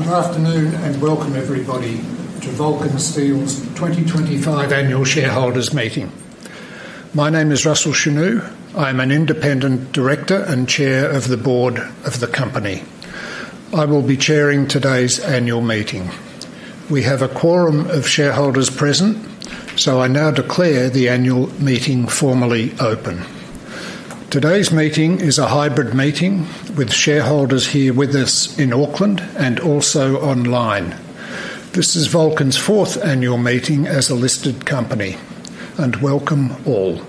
Good afternoon and welcome, everybody, to Vulcan Steel's 2025 Annual Shareholders' Meeting. My name is Russell Chenu. I am an independent director and Chair of the Board of the company. I will be chairing today's annual meeting. We have a quorum of shareholders present, so I now declare the annual meeting formally open. Today's meeting is a hybrid meeting with shareholders here with us in Auckland and also online. This is Vulcan Steel's fourth annual meeting as a listed company, and welcome all.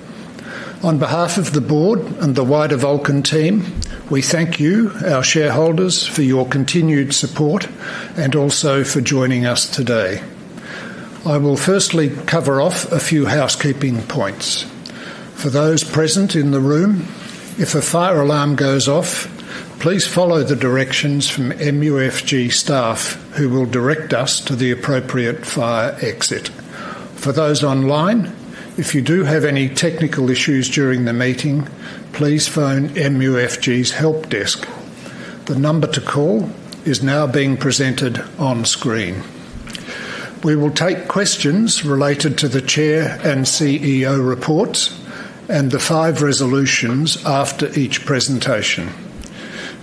On behalf of the Board and the wider Vulcan team, we thank you, our shareholders, for your continued support and also for joining us today. I will firstly cover off a few housekeeping points. For those present in the room, if a fire alarm goes off, please follow the directions from MUFG staff who will direct us to the appropriate fire exit. For those online, if you do have any technical issues during the meeting, please phone MUFG's Help Desk. The number to call is now being presented on screen. We will take questions related to the Chair and CEO reports and the five Resolutions after each presentation.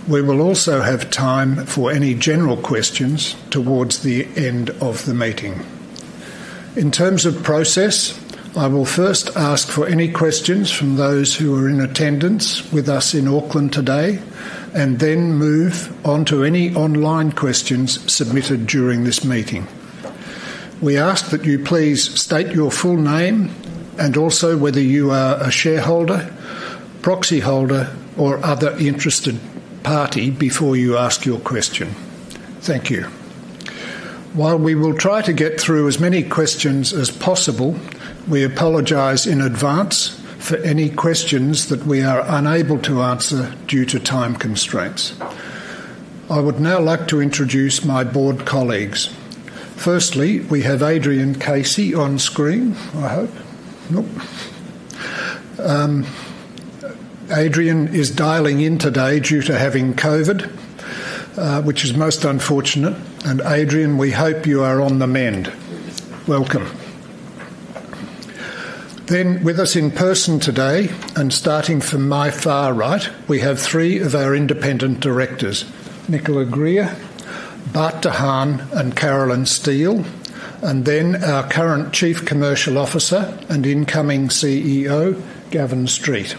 We will also have time for any general questions towards the end of the meeting. In terms of process, I will first ask for any questions from those who are in attendance with us in Auckland today and then move on to any online questions submitted during this meeting. We ask that you please state your full name and also whether you are a Shareholder, Proxy Holder, or other interested party before you ask your question. Thank you. While we will try to get through as many questions as possible, we apologize in advance for any questions that we are unable to answer due to time constraints. I would now like to introduce my Board colleagues. Firstly, we have Adrian Casey on screen, I hope. Adrian is dialing in today due to having COVID, which is most unfortunate. Adrian, we hope you are on the mend. Welcome. Then, with us in person today and starting from my far right, we have three of our independent directors: Nicola Greer, Bart de Haan, and Carolyn Steele, and then our current Chief Commercial Officer and incoming CEO, Gavin Street.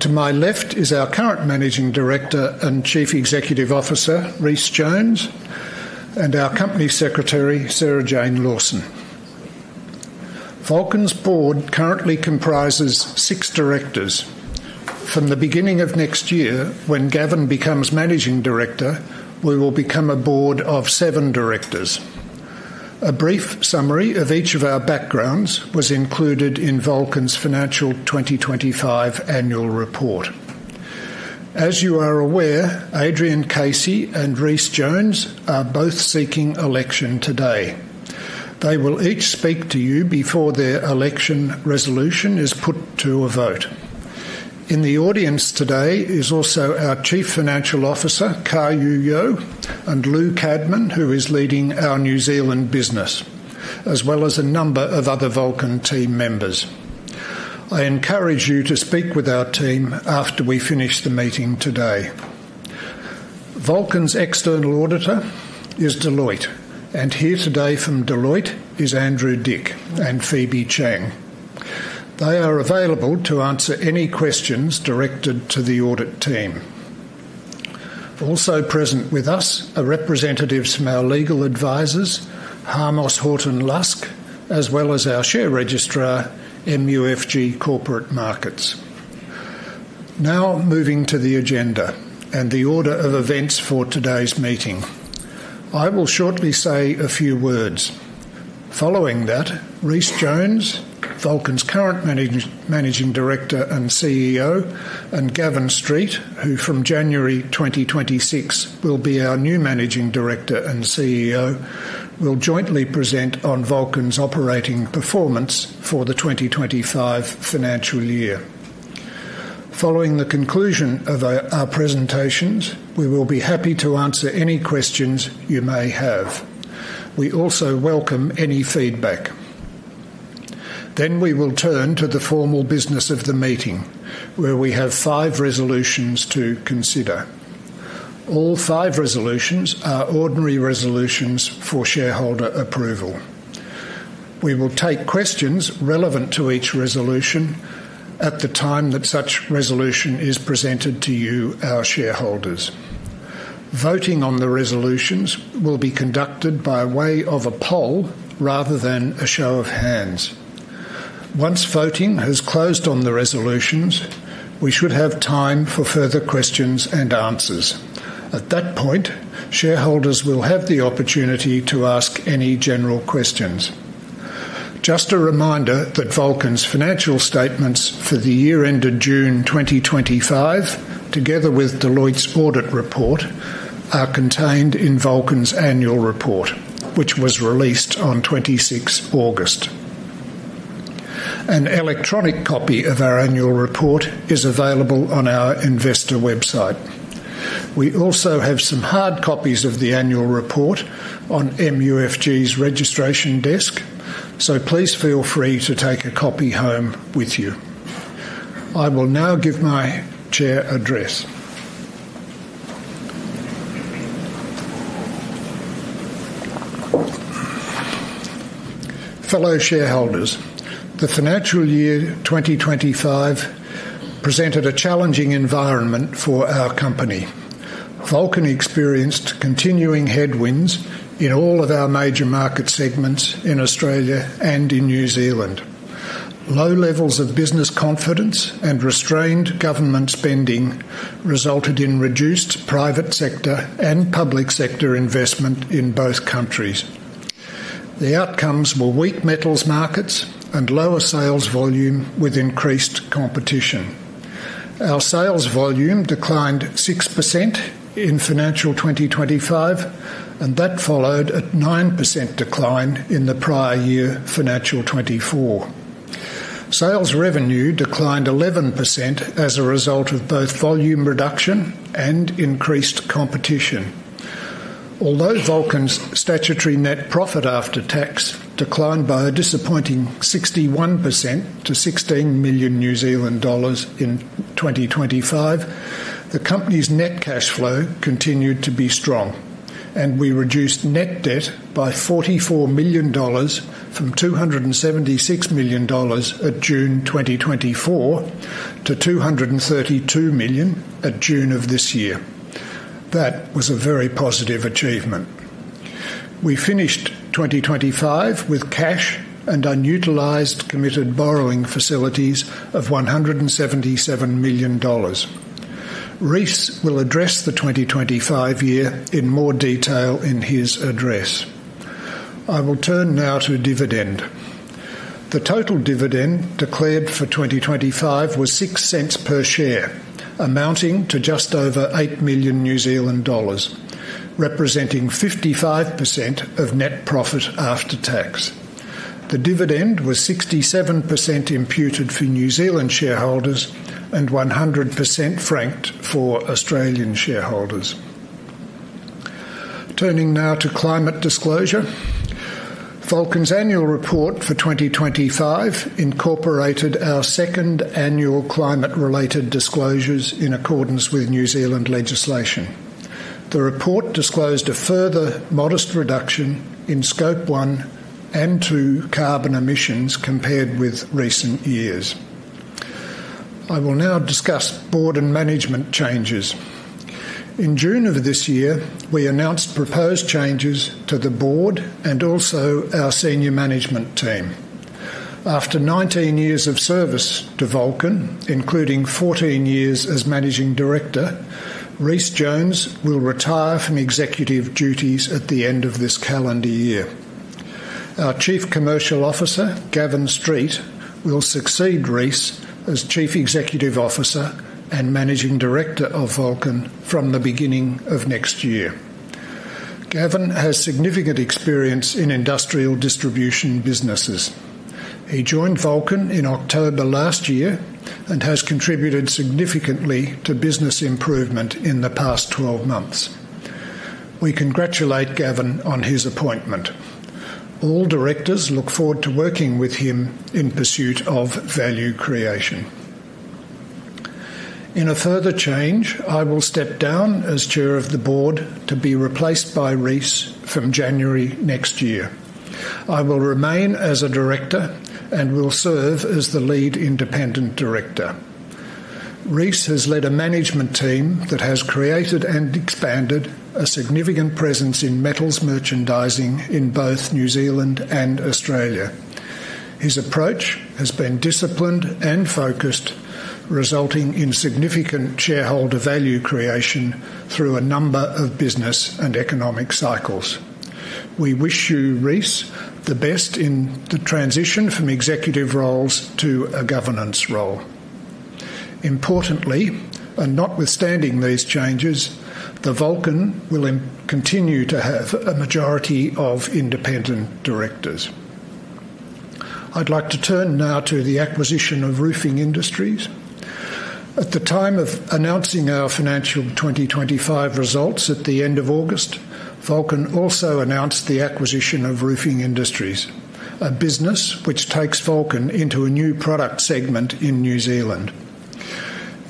To my left is our current Managing Director and Chief Executive Officer, Rhys Jones, and our Company Secretary, Sarah-Jane Lawson. Vulcan's Board currently comprises six directors. From the beginning of next year, when Gavin becomes Managing Director, we will become a Board of seven directors. A brief summary of each of our backgrounds was included in Vulcan's Financial 2025 Annual Report. As you are aware, Adrian Casey and Rhys Jones are both seeking election today. They will each speak to you before their Election Resolution is put to a vote. In the audience today is also our Chief Financial Officer, Kar Yue Yeo, and Lou Cadman, who is leading our New Zealand business, as well as a number of other Vulcan team members. I encourage you to speak with our team after we finish the meeting today. Vulcan's external auditor is Deloitte, and here today from Deloitte are Andrew Dick and Phoebe Chang. They are available to answer any questions directed to the Audit Team. Also present with us are representatives from our legal advisors, Harmos Horton Lusk, as well as our Share Registrar, MUFG Corporate Markets. Now moving to the Agenda and the order of events for today's meeting. I will shortly say a few words. Following that, Rhys Jones, Vulcan's current Managing Director and CEO, and Gavin Street, who from January 2026 will be our new Managing Director and CEO, will jointly present on Vulcan's operating performance for the 2025 Financial Year. Following the conclusion of our presentations, we will be happy to answer any questions you may have. We also welcome any feedback. We will turn to the formal business of the meeting, where we have five Resolutions to consider. All five Resolutions are Ordinary Resolutions for shareholder approval. We will take questions relevant to each Resolution at the time that such Resolution is presented to you, our shareholders. Voting on the Resolutions will be conducted by way of a poll rather than a show of hands. Once voting has closed on the Resolutions, we should have time for further questions and answers. At that point, shareholders will have the opportunity to ask any general questions. Just a reminder that Vulcan's Financial Statements for the year-end of June 2025, together with Deloitte's Audit Report, are contained in Vulcan's annual report, which was released on 26 August. An electronic copy of our annual report is available on our Investor Website. We also have some hard copies of the annual report on MUFG's Registration Desk, so please feel free to take a copy home with you. I will now give my chair address. Fellow Shareholders, the financial year 2025 presented a challenging environment for our company. Vulcan experienced continuing headwinds in all of our major market segments in Australia and in New Zealand. Low levels of business confidence and restrained government spending resulted in reduced private sector and public sector investment in both countries. The outcomes were weak metals markets and lower sales volume with increased competition. Our sales volume declined 6% in Financial 2025, and that followed a 9% decline in the prior year, Financial 2024. Sales revenue declined 11% as a result of both volume reduction and increased competition. Although Vulcan's statutory net profit after tax declined by a disappointing 61% to 16 million New Zealand dollars in 2025, the company's net cash flow continued to be strong, and we reduced net debt by 44 million dollars, from 276 million dollars at June 2024 to 232 million at June of this year. That was a very positive achievement. We finished 2025 with cash and unutilized committed borrowing facilities of 177 million dollars. Rhys will address the 2025 year in more detail in his address. I will turn now to dividend. The total dividend declared for 2025 was 0.06 per share, amounting to just over 8 million New Zealand dollars, representing 55% of net profit after tax. The dividend was 67% imputed for New Zealand shareholders and 100% franked for Australian shareholders. Turning now to climate disclosure. Vulcan's annual report for 2025 incorporated our second annual climate-related disclosures in accordance with New Zealand legislation. The report disclosed a further modest reduction in Scope 1 and 2 carbon emissions compared with recent years. I will now discuss Board and management changes. In June of this year, we announced proposed changes to the Board and also our senior Management Team. After 19 years of service to Vulcan, including 14 years as Managing Director, Rhys Jones will retire from executive duties at the end of this calendar year. Our Chief Commercial Officer, Gavin Street, will succeed Rhys as Chief Executive Officer and Managing Director of Vulcan from the beginning of next year. Gavin has significant experience in industrial distribution businesses. He joined Vulcan in October last year and has contributed significantly to business improvement in the past 12 months. We congratulate Gavin on his appointment. All directors look forward to working with him in pursuit of value creation. In a further change, I will step down as Chair of the Board to be replaced by Rhys from January next year. I will remain as a Director and will serve as the Lead Independent Director. Rhys has led a management team that has created and expanded a significant presence in metals merchandising in both New Zealand and Australia. His approach has been disciplined and focused, resulting in significant shareholder value creation through a number of business and economic cycles. We wish you, Rhys, the best in the transition from executive roles to a governance role. Importantly, and notwithstanding these changes, the Vulcan will continue to have a majority of independent directors. I'd like to turn now to the acquisition of Roofing Industries. At the time of announcing our Financial 2025 results at the end of August, Vulcan also announced the acquisition of Roofing Industries, a business which takes Vulcan into a new product segment in New Zealand.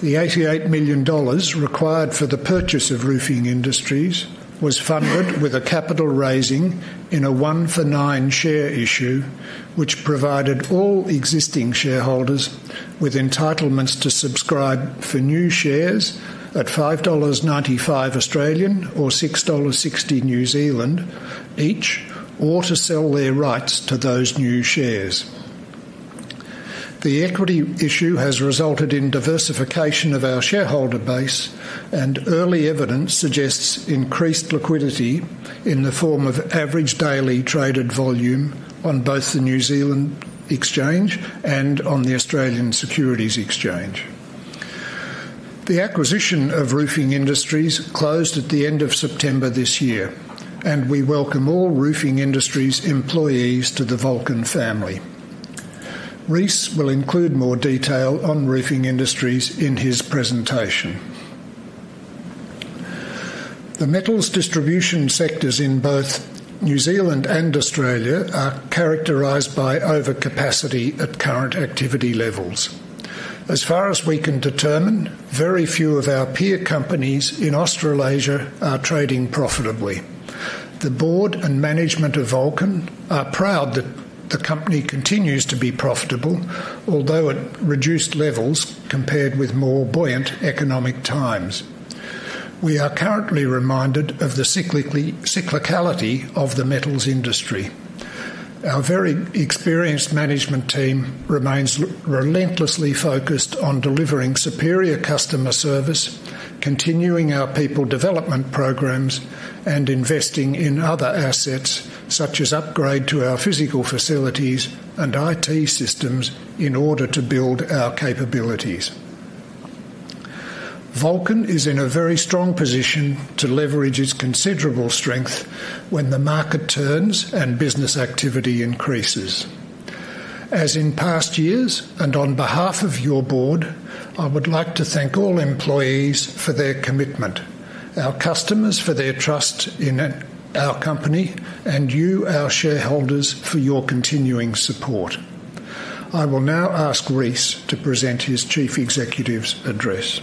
The 88 million dollars required for the purchase of Roofing Industries was funded with a capital raising in a one-for-nine share issue, which provided all existing shareholders with entitlements to subscribe for new shares at 5.95 Australian dollars or 6.60 New Zealand dollars each, or to sell their rights to those new shares. The equity issue has resulted in diversification of our shareholder base, and early evidence suggests increased liquidity in the form of average daily traded volume on both the New Zealand Exchange and on the Australian Securities Exchange. The acquisition of Roofing Industries closed at the end of September this year, and we welcome all Roofing Industries employees to the Vulcan family. Rhys will include more detail on Roofing Industries in his presentation. The metals distribution sectors in both New Zealand and Australia are characterized by overcapacity at current activity levels. As far as we can determine, very few of our peer companies in Australasia are trading profitably. The Board and management of Vulcan are proud that the company continues to be profitable, although at reduced levels compared with more buoyant economic times. We are currently reminded of the cyclicality of the metals industry. Our very experienced management team remains relentlessly focused on delivering superior customer service, continuing our people development programs, and investing in other assets such as upgrades to our physical facilities and IT systems in order to build our capabilities. Vulcan is in a very strong position to leverage its considerable strength when the market turns and business activity increases. As in past years, and on behalf of your Board, I would like to thank all employees for their commitment, our customers for their trust in our company, and you, our shareholders, for your continuing support. I will now ask Rhys to present his Chief Executive's address.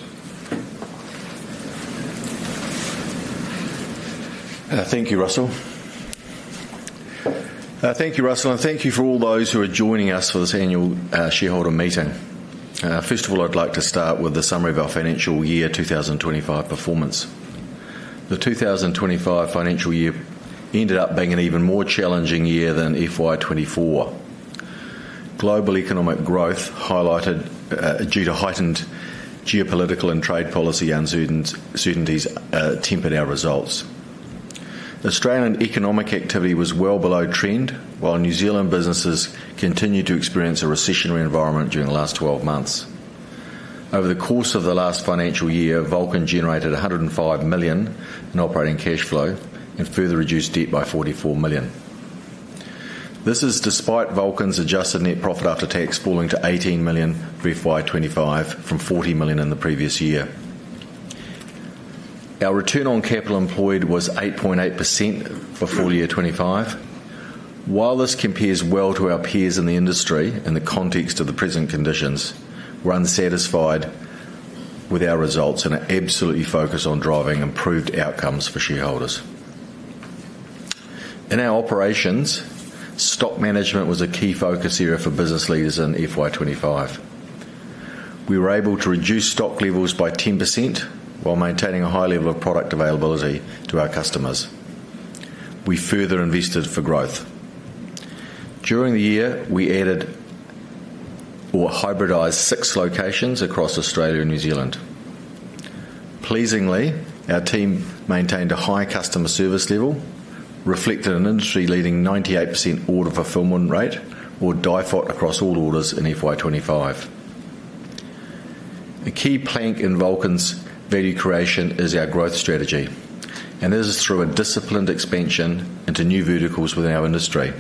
Thank you, Russell. Thank you, Russell, and thank you for all those who are joining us for this annual shareholder meeting. First of all, I'd like to start with a summary of our financial year 2025 performance. The 2025 financial year ended up being an even more challenging year than FY 2024. Global economic growth highlighted due to heightened geopolitical and trade policy uncertainties tempered our results. Australian economic activity was well below trend, while New Zealand businesses continued to experience a recessionary environment during the last 12 months. Over the course of the last financial year, Vulcan generated 105 million in operating cash flow and further reduced debt by 44 million. This is despite Vulcan's adjusted net profit after tax falling to 18 million for FY 2025 from 40 million in the previous year. Our return on capital employed was 8.8% for full year 2025. While this compares well to our peers in the industry in the context of the present conditions, we're unsatisfied with our results and are absolutely focused on driving improved outcomes for shareholders. In our operations, stock management was a key focus area for business leaders in FY 2025. We were able to reduce stock levels by 10% while maintaining a high level of product availability to our customers. We further invested for growth. During the year, we added or hybridized six locations across Australia and New Zealand. Pleasingly, our team maintained a high customer service level, reflected in an industry-leading 98% order fulfillment rate, or DIFOT, across all orders in FY 2025. A key plank in Vulcan's value creation is our growth strategy, and this is through a disciplined expansion into new verticals within our industry.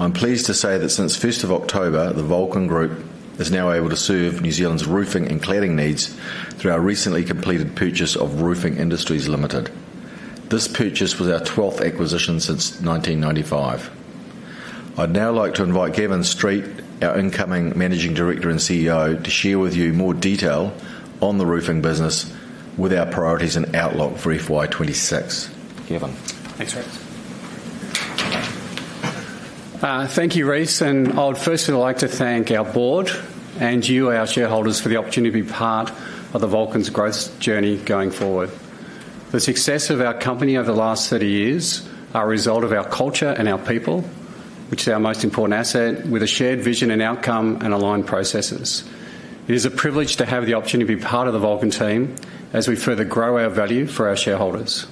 I'm pleased to say that since 1 October, the Vulcan Group is now able to serve New Zealand's roofing and cladding needs through our recently completed purchase of Roofing Industries Limited. This purchase was our 12th acquisition since 1995. I'd now like to invite Gavin Street, our incoming Managing Director and CEO, to share with you more detail on the roofing business with our priorities and outlook for FY 2026. Gavin. Thanks, Rhys. Thank you, Rhys. I would first of all like to thank our Board and you, our shareholders, for the opportunity to be part of Vulcan's growth journey going forward. The success of our company over the last 30 years is a result of our culture and our people, which is our most important asset, with a shared vision and outcome and aligned processes. It is a privilege to have the opportunity to be part of the Vulcan team as we further grow our value for our shareholders.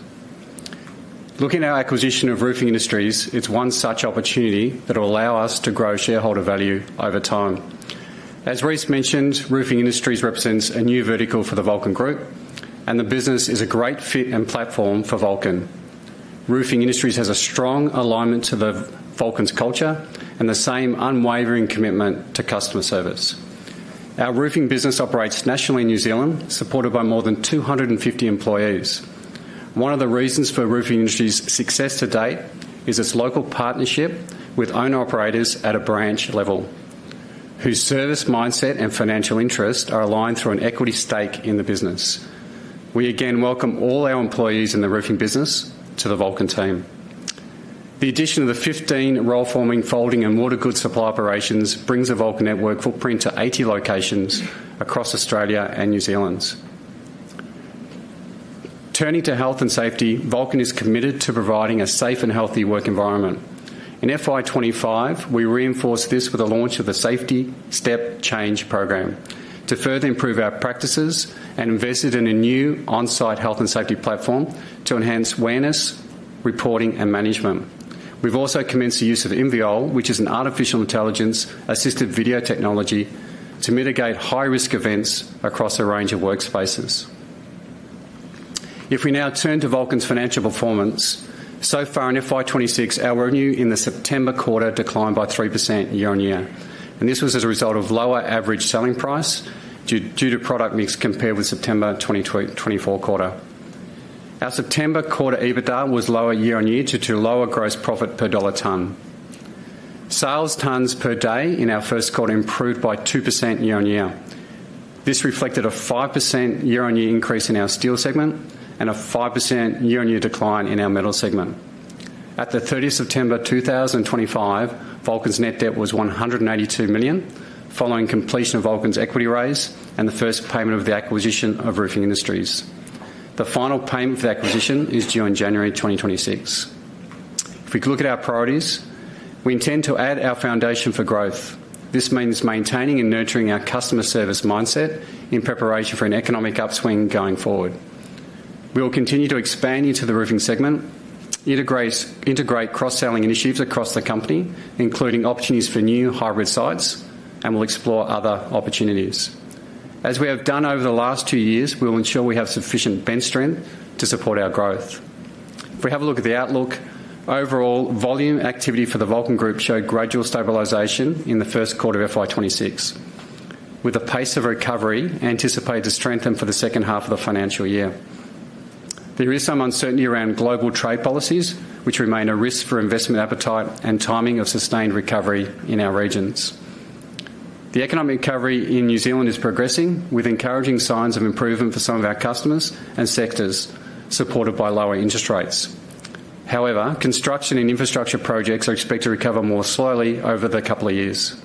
Looking at our acquisition of Roofing Industries, it's one such opportunity that will allow us to grow shareholder value over time. As Rhys mentioned, Roofing Industries represents a new vertical for the Vulcan Group, and the business is a great fit and platform for Vulcan. Roofing Industries has a strong alignment to Vulcan's culture and the same unwavering commitment to customer service. Our roofing business operates nationally in New Zealand, supported by more than 250 employees. One of the reasons for Roofing Industries' success to date is its local partnership with owner-operators at a branch level, whose service mindset and financial interest are aligned through an equity stake in the business. We again welcome all our employees in the roofing business to the Vulcan Team. The addition of the 15 roll-forming, folding, and water goods supply operations brings the Vulcan network footprint to 80 locations across Australia and New Zealand. Turning to health and safety, Vulcan is committed to providing a safe and healthy work environment. In FY 2025, we reinforced this with the launch of the Safety Step Change program to further improve our practices and invested in a new on-site health and safety platform to enhance awareness, reporting, and management. We've also commenced the use of Inviol, which is an artificial intelligence-assisted video technology, to mitigate high-risk events across a range of workspaces. If we now turn to Vulcan's financial performance, so far in FY 2026, our revenue in the September quarter declined by 3% year-on-year. This was as a result of lower average selling price due to product mix compared with the September 2024 quarter. Our September quarter EBITDA was lower year-on-year due to lower gross profit per dollar ton. Sales tons per day in our first quarter improved by 2% year-on-year. This reflected a 5% year-on-year increase in our steel segment and a 5% year-on-year decline in our metal segment. At the 30th of September 2025, Vulcan's net debt was 182 million, following completion of Vulcan's equity raise and the first payment of the acquisition of Roofing Industries. The final payment for the acquisition is due in January 2026. If we look at our priorities, we intend to add our foundation for growth. This means maintaining and nurturing our customer service mindset in preparation for an economic upswing going forward. We will continue to expand into the roofing segment, integrate cross-selling initiatives across the company, including opportunities for new hybrid sites, and we'll explore other opportunities. As we have done over the last two years, we will ensure we have sufficient bench strength to support our growth. If we have a look at the outlook, overall volume activity for the Vulcan Group showed gradual stabilisation in the first quarter of FY 2026. With a pace of recovery, anticipate a strengthen for the second half of the financial year. There is some uncertainty around global trade policies, which remain a risk for investment appetite and timing of sustained recovery in our regions. The economic recovery in New Zealand is progressing, with encouraging signs of improvement for some of our customers and sectors, supported by lower interest rates. However, construction and infrastructure projects are expected to recover more slowly over the couple of years.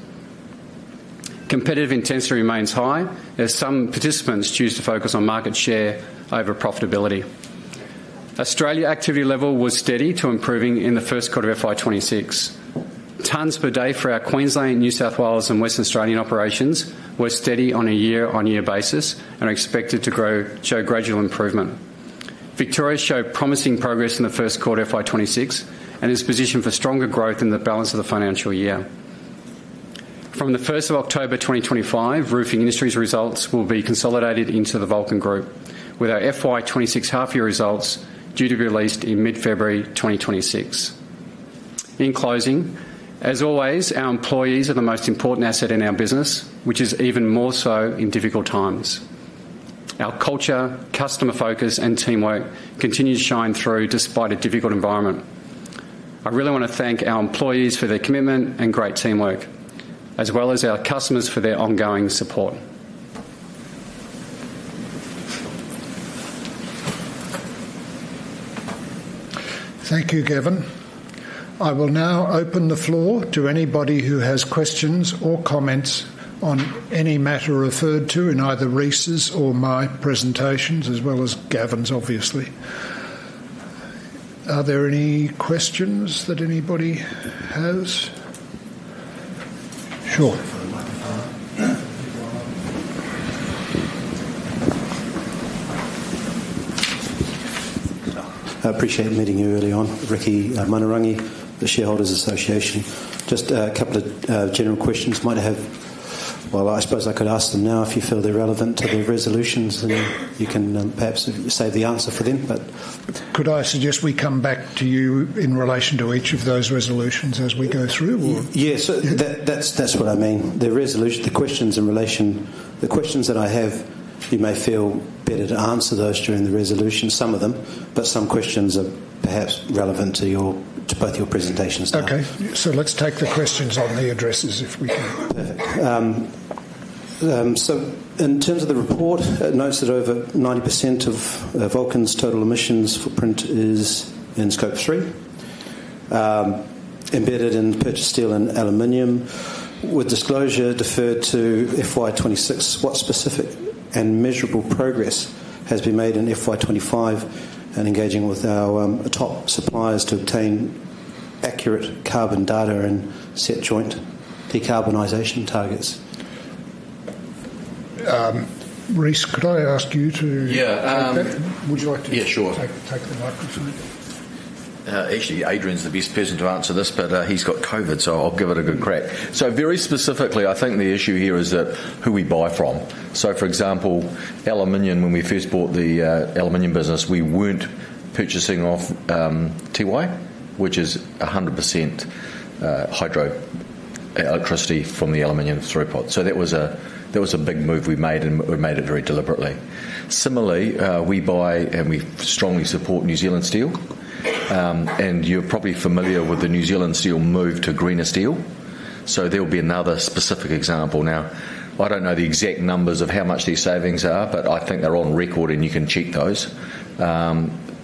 Competitive intensity remains high, as some participants choose to focus on market share over profitability. Australia activity level was steady to improving in the first quarter of FY 2026. Tons per day for our Queensland, New South Wales, and Western Australian operations were steady on a year-on-year basis and are expected to show gradual improvement. Victoria showed promising progress in the first quarter of FY 2026 and is positioned for stronger growth in the balance of the financial year. From the 1st of October 2025, Roofing Industries' results will be consolidated into the Vulcan Group, with our FY 2026 half-year results due to be released in mid-February 2026. In closing, as always, our employees are the most important asset in our business, which is even more so in difficult times. Our culture, customer focus, and teamwork continue to shine through despite a difficult environment. I really want to thank our employees for their commitment and great teamwork, as well as our customers for their ongoing support. Thank you, Gavin. I will now open the floor to anybody who has questions or comments on any matter referred to in either Rhys' or my presentations, as well as Gavin's, obviously. Are there any questions that anybody has? Sure. I appreciate meeting you early on. Ricky Munirungi, the Shareholders Association. Just a couple of general questions I might have. I suppose I could ask them now if you feel they're relevant to the Resolutions, and you can perhaps save the answer for them. Could I suggest we come back to you in relation to each of those Resolutions as we go through? Yes, that's what I mean. The questions in relation to the questions that I have, you may feel better to answer those during the Resolution, some of them, but some questions are perhaps relevant to both your presentations. Okay. Let's take the questions on the addresses if we can. Perfect. In terms of the report, it notes that over 90% of Vulcan's total emissions footprint is in Scope 3, embedded in purchased steel and aluminum. With disclosure deferred to FY 2026, what specific and measurable progress has been made in FY 2025 in engaging with our top suppliers to obtain accurate carbon data and set joint decarbonization targets? Rhys, could I ask you to yeah. Would you like to yeah, sure. Take the microphone. Actually, Adrian Casey's the best person to answer this, but he's got COVID, so I'll give it a good crack. Very specifically, I think the issue here is who we buy from. For example, aluminum, when we first bought the aluminum business, we weren't purchasing off Tiwai, which is 100% hydro electricity from the aluminum throughput. That was a big move we made, and we made it very deliberately. Similarly, we buy and we strongly support New Zealand Steel. You're probably familiar with the New Zealand Steel move to greener steel. There will be another specific example. I don't know the exact numbers of how much these savings are, but I think they're on record, and you can check those.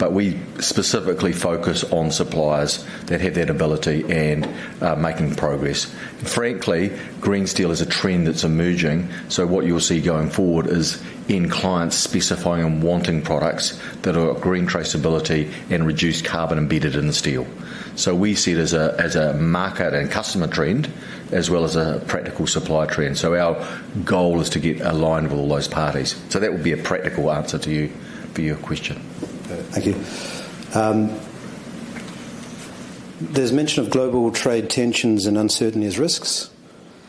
We specifically focus on suppliers that have that ability and are making progress. Frankly, green steel is a trend that's emerging. What you'll see going forward is clients specifying and wanting products that are green, traceability, and reduced carbon embedded in the steel. We see it as a market and customer trend, as well as a practical supply trend. Our goal is to get aligned with all those parties. That would be a practical answer to your question. Thank you. There's mention of global trade tensions and uncertainties risks.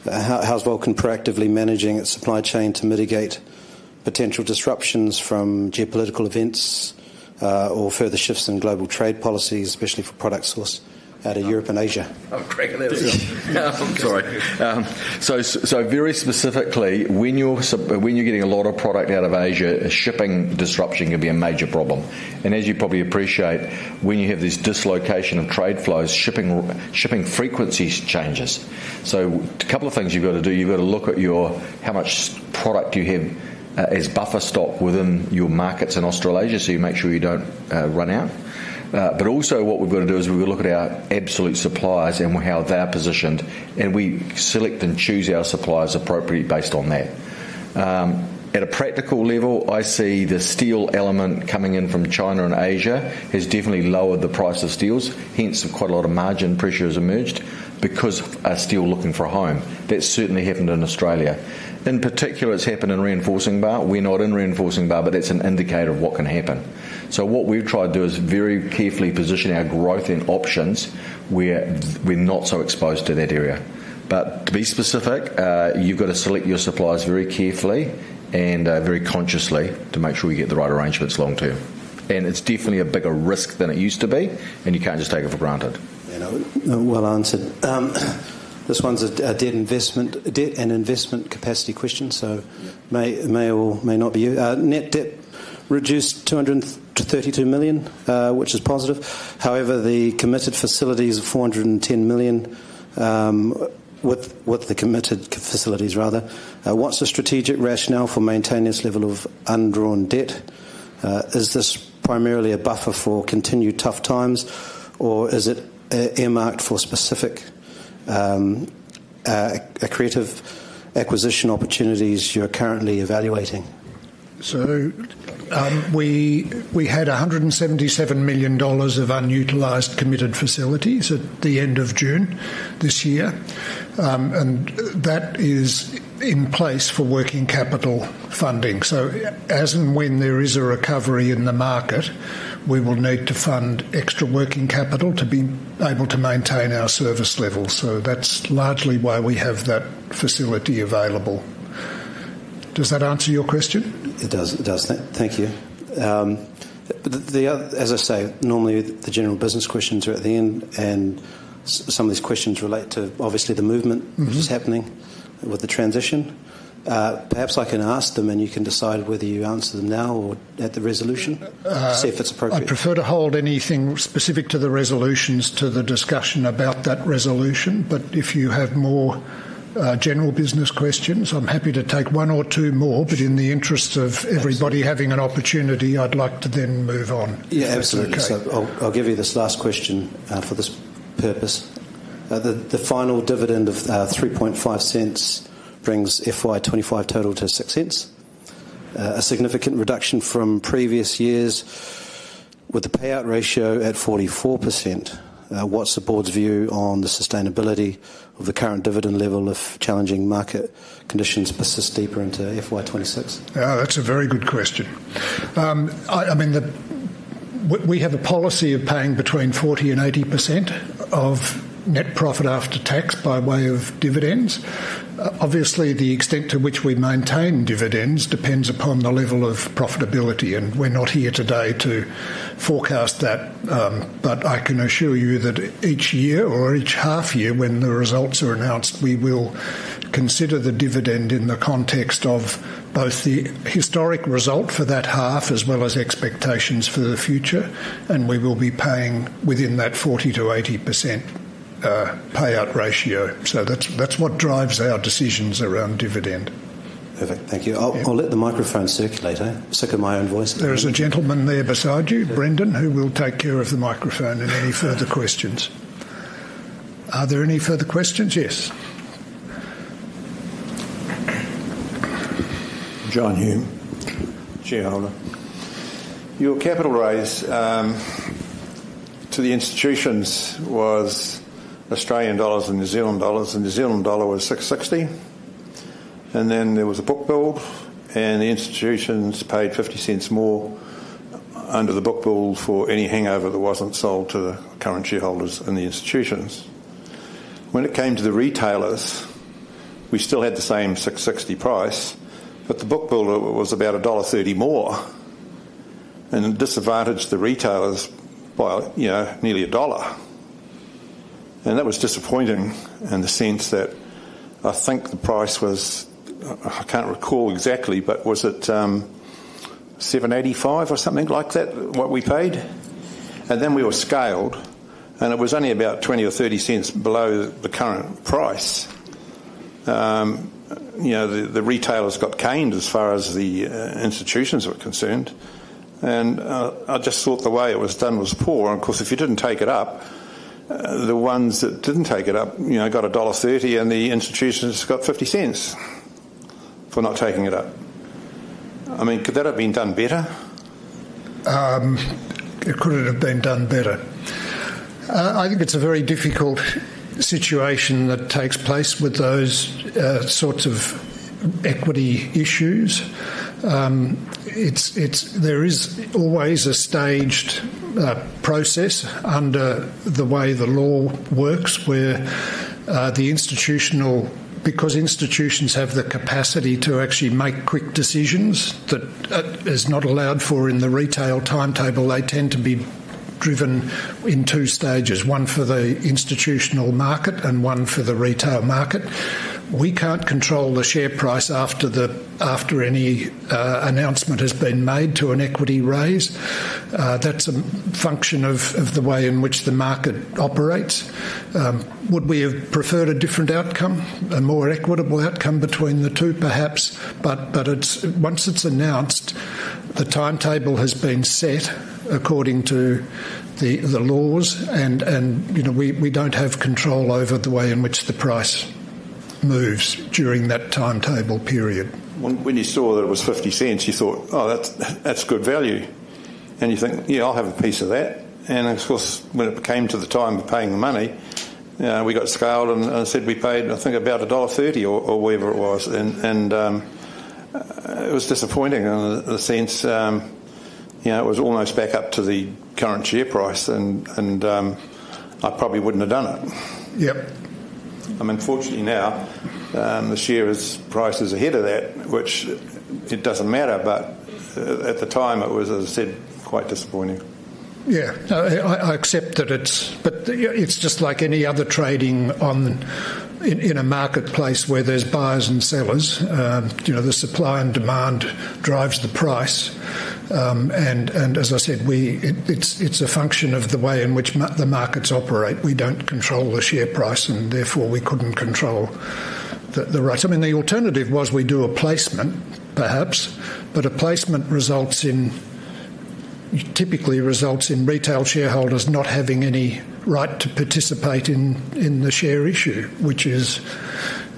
How's Vulcan proactively managing its supply chain to mitigate potential disruptions from geopolitical events or further shifts in global trade policies, especially for product sourced out of Europe and Asia? Very specifically, when you're getting a lot of product out of Asia, shipping disruption can be a major problem. As you probably appreciate, when you have this dislocation of trade flows, shipping frequency changes. A couple of things you've got to do: you've got to look at how much product you have as buffer stock within your markets in Australasia so you make sure you don't run out. Also, what we've got to do is look at our absolute suppliers and how they're positioned, and we select and choose our suppliers appropriately based on that. At a practical level, I see the steel element coming in from China and Asia has definitely lowered the price of steel. Hence, quite a lot of margin pressure has emerged because steel is still looking for a home. That's certainly happened in Australia. In particular, it's happened in reinforcing bar. We're not in reinforcing bar, but that's an indicator of what can happen. What we've tried to do is very carefully position our growth in options where we're not so exposed to that area. To be specific, you've got to select your suppliers very carefully and very consciously to make sure you get the right arrangements long term. It's definitely a bigger risk than it used to be, and you can't just take it for granted. This one's a debt and investment capacity question. Net debt reduced 232 million, which is positive. However, the committed facilities of 410 million. With the committed facilities, what's the strategic rationale for maintaining this level of undrawn debt? Is this primarily a buffer for continued tough times, or is it earmarked for specific creative acquisition opportunities you're currently evaluating? We had 177 million dollars of unutilized committed facilities at the end of June this year. That is in place for working capital funding. As and when there is a recovery in the market, we will need to fund extra working capital to be able to maintain our service level. That's largely why we have that facility available. Does that answer your question? It does. It does. Thank you. As I say, normally the general business questions are at the end, and some of these questions relate to, obviously, the movement which is happening with the transition. Perhaps I can ask them, and you can decide whether you answer them now or at the Resolution, see if it's appropriate. I prefer to hold anything specific to the Resolutions to the discussion about that Resolution. If you have more general business questions, I'm happy to take one or two more. In the interest of everybody having an opportunity, I'd like to then move on. Yeah, absolutely. I'll give you this last question for this purpose. The final dividend of 0.035 brings FY 2025 total to 0.06, a significant reduction from previous years. With the payout ratio at 44%, what's the Board's view on the sustainability of the current dividend level if challenging market conditions persist deeper into FY 2026? That's a very good question. We have a policy of paying between 40% and 80% of net profit after tax by way of dividends. Obviously, the extent to which we maintain dividends depends upon the level of profitability. We're not here today to forecast that. I can assure you that each year or each half-year, when the results are announced, we will consider the dividend in the context of both the historic result for that half as well as expectations for the future. We will be paying within that 40% to 80% payout ratio. That's what drives our decisions around dividend. Perfect. Thank you. I'll let the microphone circulate, sick of my own voice. There is a gentleman there beside you, Brendan, who will take care of the microphone and any further questions. Are there any further questions? Yes. John Hume. Shareholder. Your capital raise to the institutions was Australian dollars and New Zealand dollars. The New Zealand dollar was 6.60, and then there was a book build, and the institutions paid 0.50 more under the book build for any hangover that wasn't sold to the current shareholders and the institutions. When it came to the retailers, we still had the same 6.60 price, but the book build was about dollar 1.30 more. It disadvantaged the retailers by nearly NZD 1, and that was disappointing in the sense that I think the price was, I can't recall exactly, but was it 7.85 or something like that, what we paid? We were scaled, and it was only about 0.20 or 0.30 below the current price. The retailers got canned as far as the institutions were concerned. I just thought the way it was done was poor. Of course, if you didn't take it up, the ones that didn't take it up got dollar 1.30, and the institutions got 0.50 for not taking it up. I mean, could that have been done better? Could it have been done better? I think it's a very difficult situation that takes place with those sorts of equity issues. There is always a staged process under the way the law works, where, because institutions have the capacity to actually make quick decisions that is not allowed for in the retail timetable, they tend to be driven in two stages, one for the institutional market and one for the retail market. We can't control the share price after any announcement has been made to an equity raise. That's a function of the way in which the market operates. Would we have preferred a different outcome, a more equitable outcome between the two, perhaps? Once it's announced, the timetable has been set according to the laws, and we don't have control over the way in which the price moves during that timetable period. When you saw that it was 0.50, you thought, "Oh, that's good value." You think, "Yeah, I'll have a piece of that." Of course, when it came to the time of paying the money, we got scaled and said we paid, I think, about dollar 1.30 or whatever it was. It was disappointing in the sense it was almost back up to the current share price, and I probably wouldn't have done it. Yep. Fortunately now, the share price is ahead of that, which it doesn't matter. At the time, it was, as I said, quite disappointing. Yeah. I accept that it's just like any other trading in a marketplace where there's buyers and sellers. The supply and demand drives the price. As I said, it's a function of the way in which the markets operate. We don't control the share price, and therefore we couldn't control the rights. The alternative was we do a placement, perhaps, but a placement typically results in retail shareholders not having any right to participate in the share issue, which is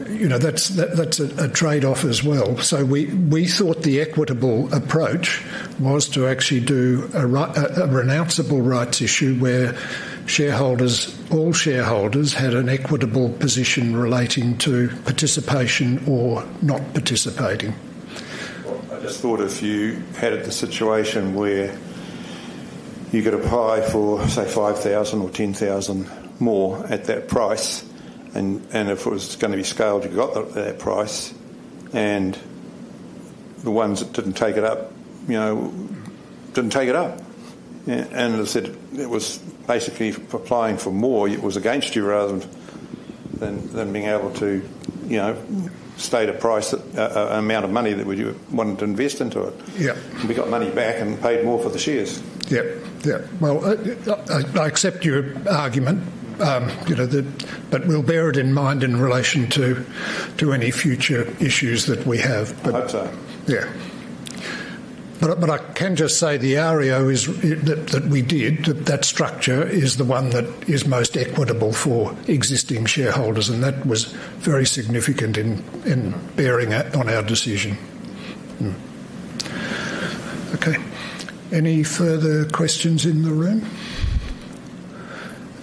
a trade-off as well. We thought the equitable approach was to actually do a renounceable rights issue where all shareholders had an equitable position relating to participation or not participating. I just thought if you had the situation where you could apply for, say, 5,000 or 10,000 more at that price, and if it was going to be scaled, you got that price, and the ones that didn't take it up. Didn't take it up. As I said, it was basically applying for more. It was against you rather than being able to state a price, an amount of money that we wanted to invest into it. We got money back and paid more for the shares. Yep. Yep. I accept your argument, but we'll bear it in mind in relation to any future issues that we have. I hope so. I can just say the AREO that we did, that structure is the one that is most equitable for existing shareholders, and that was very significant in bearing on our decision. Okay. Any further questions in the room?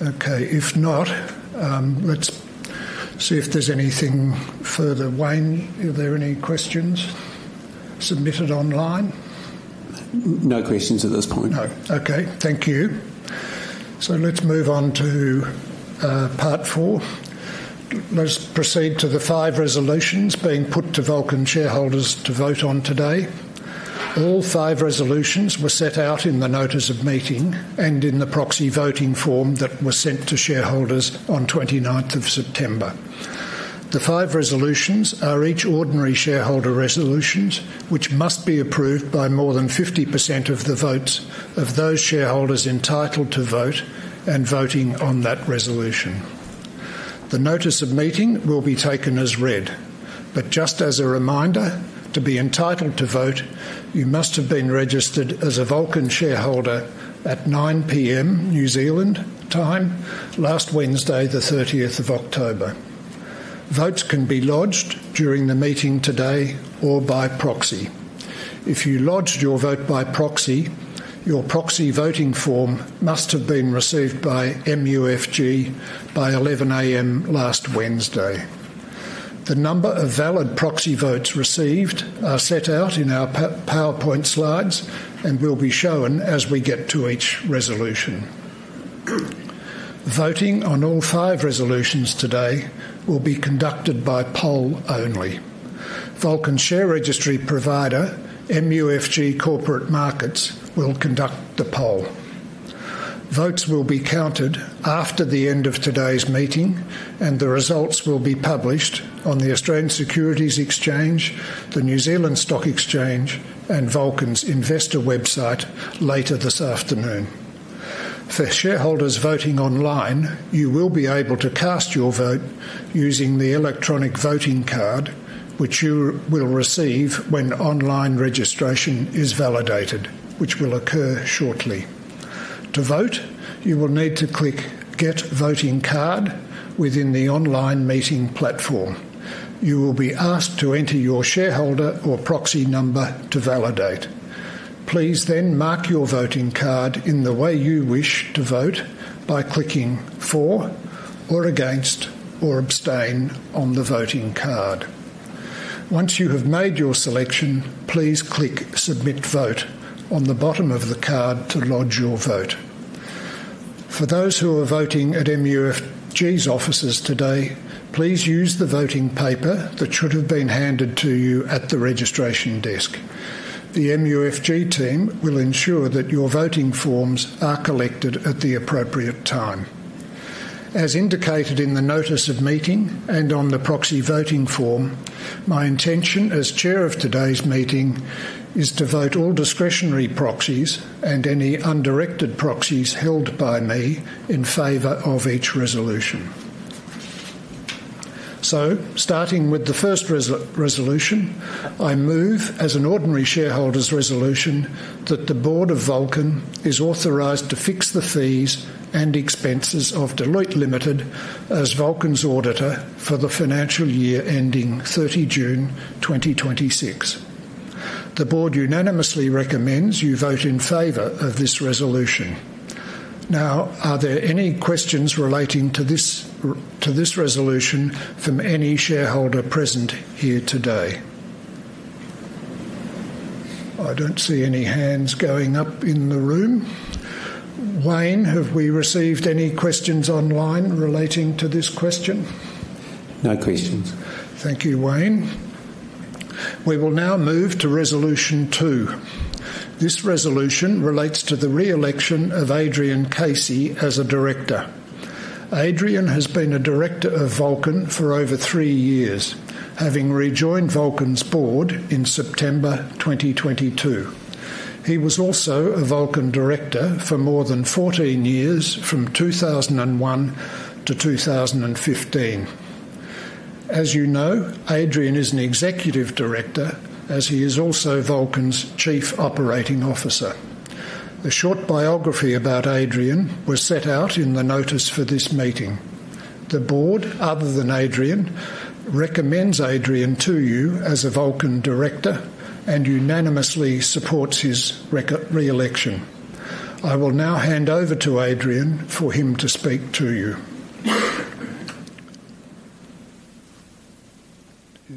Okay. If not, let's see if there's anything further. Wayne, are there any questions submitted online? No questions at this point. No. Okay. Thank you. Let's move on to part four. Let's proceed to the five Resolutions being put to Vulcan shareholders to vote on today. All five Resolutions were set out in the notice of meeting and in the proxy voting form that was sent to shareholders on September 29. The five Resolutions are each ordinary shareholder Resolutions, which must be approved by more than 50% of the votes of those shareholders entitled to vote and voting on that Resolution. The notice of meeting will be taken as read. Just as a reminder, to be entitled to vote, you must have been registered as a Vulcan shareholder at 9:00 P.M. New Zealand time last Wednesday, October 30. Votes can be lodged during the meeting today or by proxy. If you lodged your vote by proxy, your proxy voting form must have been received by MUFG by 11:00 A.M. last Wednesday. The number of valid proxy votes received are set out in our PowerPoint slides and will be shown as we get to each Resolution. Voting on all five Resolutions today will be conducted by poll only. Vulcan Share Registry Provider, MUFG Corporate Markets, will conduct the poll. Votes will be counted after the end of today's meeting, and the results will be published on the Australian Securities Exchange, the New Zealand Stock Exchange, and Vulcan's investor website later this afternoon. For shareholders voting online, you will be able to cast your vote using the electronic voting card, which you will receive when online registration is validated, which will occur shortly. To vote, you will need to click "Get Voting Card" within the online meeting platform. You will be asked to enter your shareholder or proxy number to validate. Please then mark your voting card in the way you wish to vote by clicking "For" or "Against" or "Abstain" on the voting card. Once you have made your selection, please click "Submit Vote" on the bottom of the card to lodge your vote. For those who are voting at MUFG Corporate Markets' offices today, please use the voting paper that should have been handed to you at the registration desk. The MUFG Corporate Markets team will ensure that your voting forms are collected at the appropriate time. As indicated in the notice of meeting and on the proxy voting form, my intention as Chair of today's meeting is to vote all discretionary proxies and any undirected proxies held by me in favor of each Resolution. Starting with the first Resolution, I move as an ordinary shareholder's Resolution that the Board of Vulcan is authorized to fix the fees and expenses of Deloitte Limited as Vulcan's auditor for the financial year ending June 30, 2026. The Board unanimously recommends you vote in favor of this Resolution. Now, are there any questions relating to this Resolution from any shareholder present here today? I don't see any hands going up in the room. Wayne, have we received any questions online relating to this question? No questions. Thank you, Wayne. We will now move to Resolution two. This Resolution relates to the re-election of Adrian Casey as a director. Adrian has been a director of Vulcan for over three years, having rejoined Vulcan's Board in September 2022. He was also a Vulcan director for more than 14 years from 2001 to 2015. As you know, Adrian is an Executive Director as he is also Vulcan's Chief Operating Officer. A short biography about Adrian was set out in the notice for this meeting. The Board, other than Adrian, recommends Adrian to you as a Vulcan director and unanimously supports his re-election. I will now hand over to Adrian for him to speak to you.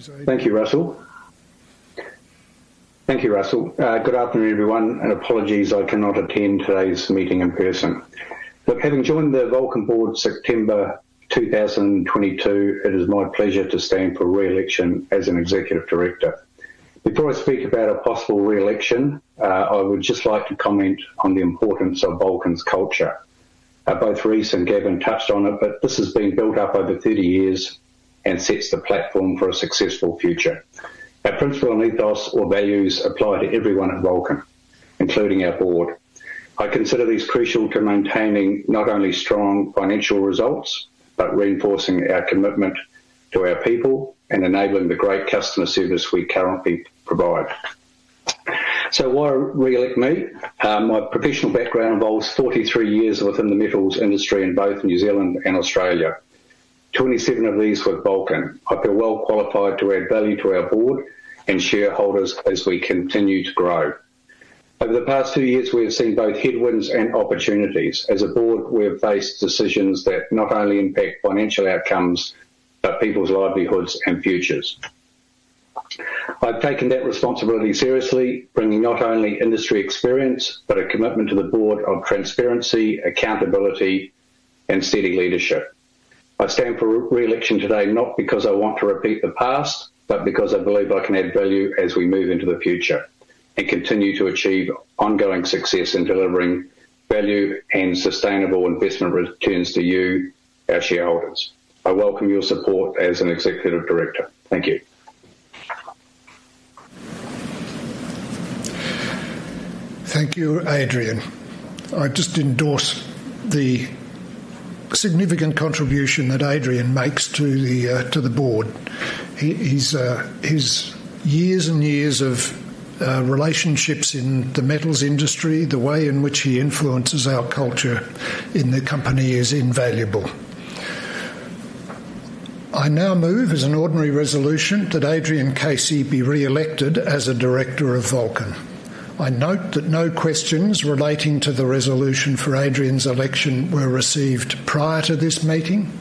Thank you, Russell. Good afternoon, everyone, and apologies, I cannot attend today's meeting in person. Having joined the Vulcan Board September 2022, it is my pleasure to stand for re-election as an Executive Director. Before I speak about a possible re-election, I would just like to comment on the importance of Vulcan's culture. Both Rhys and Gavin touched on it, but this has been built up over 30 years and sets the platform for a successful future. Our principles and ethos or values apply to everyone at Vulcan, including our Board. I consider these crucial to maintaining not only strong financial results, but reinforcing our commitment to our people and enabling the great customer service we currently provide. Why re-elect me? My professional background involves 43 years within the metals industry in both New Zealand and Australia, 27 of these with Vulcan. I feel well qualified to add value to our Board and shareholders as we continue to grow. Over the past two years, we have seen both headwinds and opportunities. As a Board, we have faced decisions that not only impact financial outcomes, but people's livelihoods and futures. I've taken that responsibility seriously, bringing not only industry experience, but a commitment to the Board of transparency, accountability, and steady leadership. I stand for re-election today not because I want to repeat the past, but because I believe I can add value as we move into the future and continue to achieve ongoing success in delivering value and sustainable investment returns to you, our shareholders. I welcome your support as an Executive Director. Thank you. Thank you, Adrian. I just endorse the significant contribution that Adrian makes to the Board. His years and years of relationships in the metals industry, the way in which he influences our culture in the company is invaluable. I now move, as an Ordinary Resolution, that Adrian Casey be re-elected as a director of Vulcan. I note that no questions relating to the Resolution for Adrian's election were received prior to this meeting.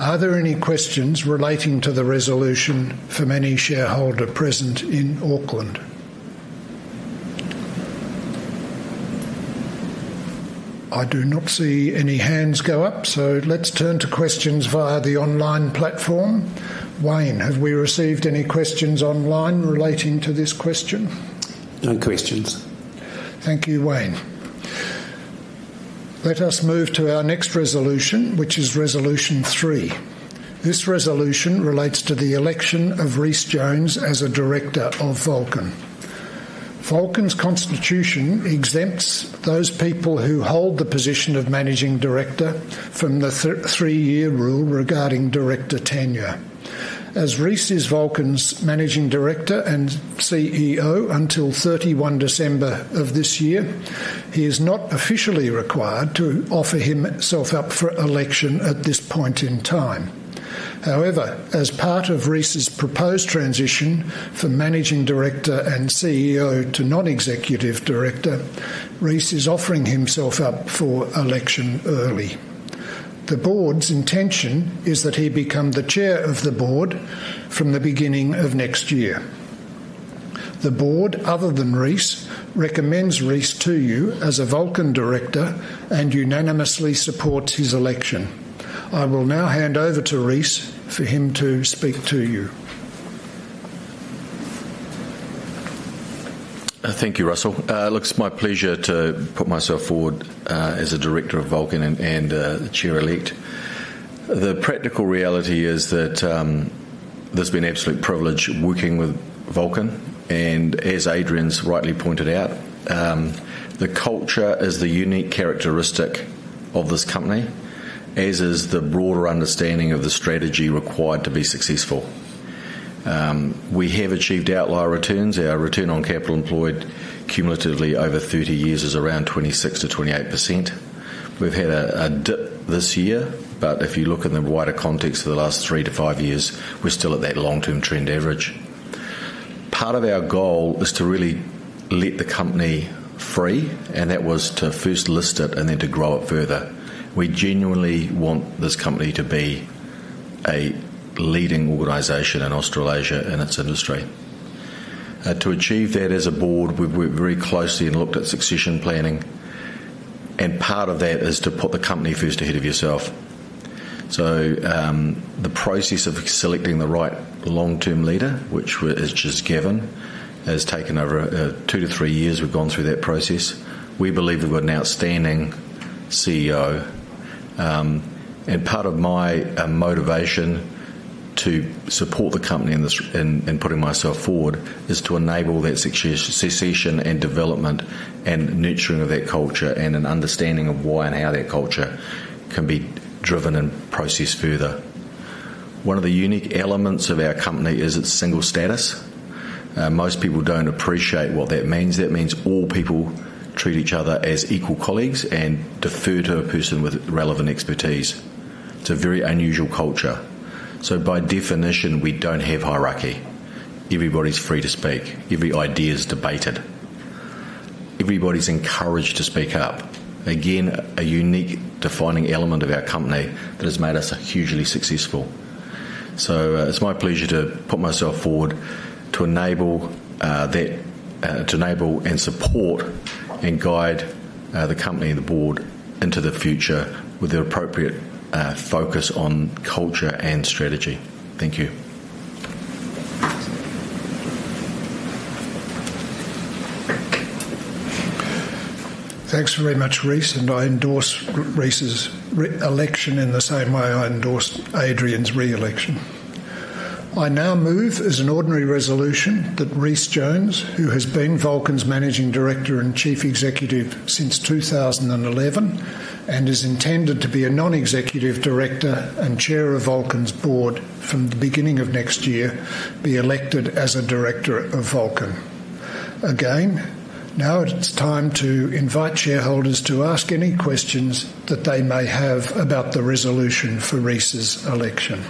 Are there any questions relating to the Resolution for any shareholders present in Auckland? I do not see any hands go up, so let's turn to questions via the online platform. Wayne, have we received any questions online relating to this question? No questions. Thank you, Wayne. Let us move to our next Resolution, which is Resolution three. This Resolution relates to the election of Rhys Jones as a director of Vulcan. Vulcan's constitution exempts those people who hold the position of Managing Director from the three-year rule regarding director tenure. As Rhys is Vulcan's Managing Director and CEO until 31 December of this year, he is not officially required to offer himself up for election at this point in time. However, as part of Rhys's proposed transition from Managing Director and CEO to Non-Executive Director, Rhys is offering himself up for election early. The Board's intention is that he become the Chair of the Board from the beginning of next year. The Board, other than Rhys, recommends Rhys to you as a Vulcan director and unanimously supports his election. I will now hand over to Rhys for him to speak to you. Thank you, Russell. Look, it's my pleasure to put myself forward as a director of Vulcan and the Chair-elect. The practical reality is that it's been an absolute privilege working with Vulcan. As Adrian's rightly pointed out, the culture is the unique characteristic of this company, as is the broader understanding of the strategy required to be successful. We have achieved outlier returns. Our return on capital employed cumulatively over 30 years is around 26% to 28%. We've had a dip this year, but if you look in the wider context of the last three to five years, we're still at that long-term trend average. Part of our goal is to really let the company free, and that was to first list it and then to grow it further. We genuinely want this company to be a leading organization in Australasia and its industry. To achieve that as a Board, we've worked very closely and looked at succession planning. Part of that is to put the company first ahead of yourself. The process of selecting the right long-term leader, which is just Gavin, has taken over two to three years. We've gone through that process. We believe we've got an outstanding CEO. Part of my motivation to support the company in putting myself forward is to enable that succession and development and nurturing of that culture and an understanding of why and how that culture can be driven and processed further. One of the unique elements of our company is its single status. Most people don't appreciate what that means. That means all people treat each other as equal colleagues and defer to a person with relevant expertise. It's a very unusual culture. By definition, we don't have hierarchy. Everybody's free to speak. Every idea is debated. Everybody's encouraged to speak up. Again, a unique defining element of our company that has made us hugely successful. It's my pleasure to put myself forward to enable that, to enable and support and guide the company and the Board into the future with the appropriate focus on culture and strategy. Thank you. Thanks very much, Rhys. I endorse Rhys's election in the same way I endorse Adrian's re-election. I now move, as an ordinary Resolution, that Rhys Jones, who has been Vulcan's managing director and chief executive since 2011 and is intended to be a non-executive director and chair of Vulcan's Board from the beginning of next year, be elected as a director of Vulcan. Again, now it's time to invite shareholders to ask any questions that they may have about the Resolution for Rhys's election.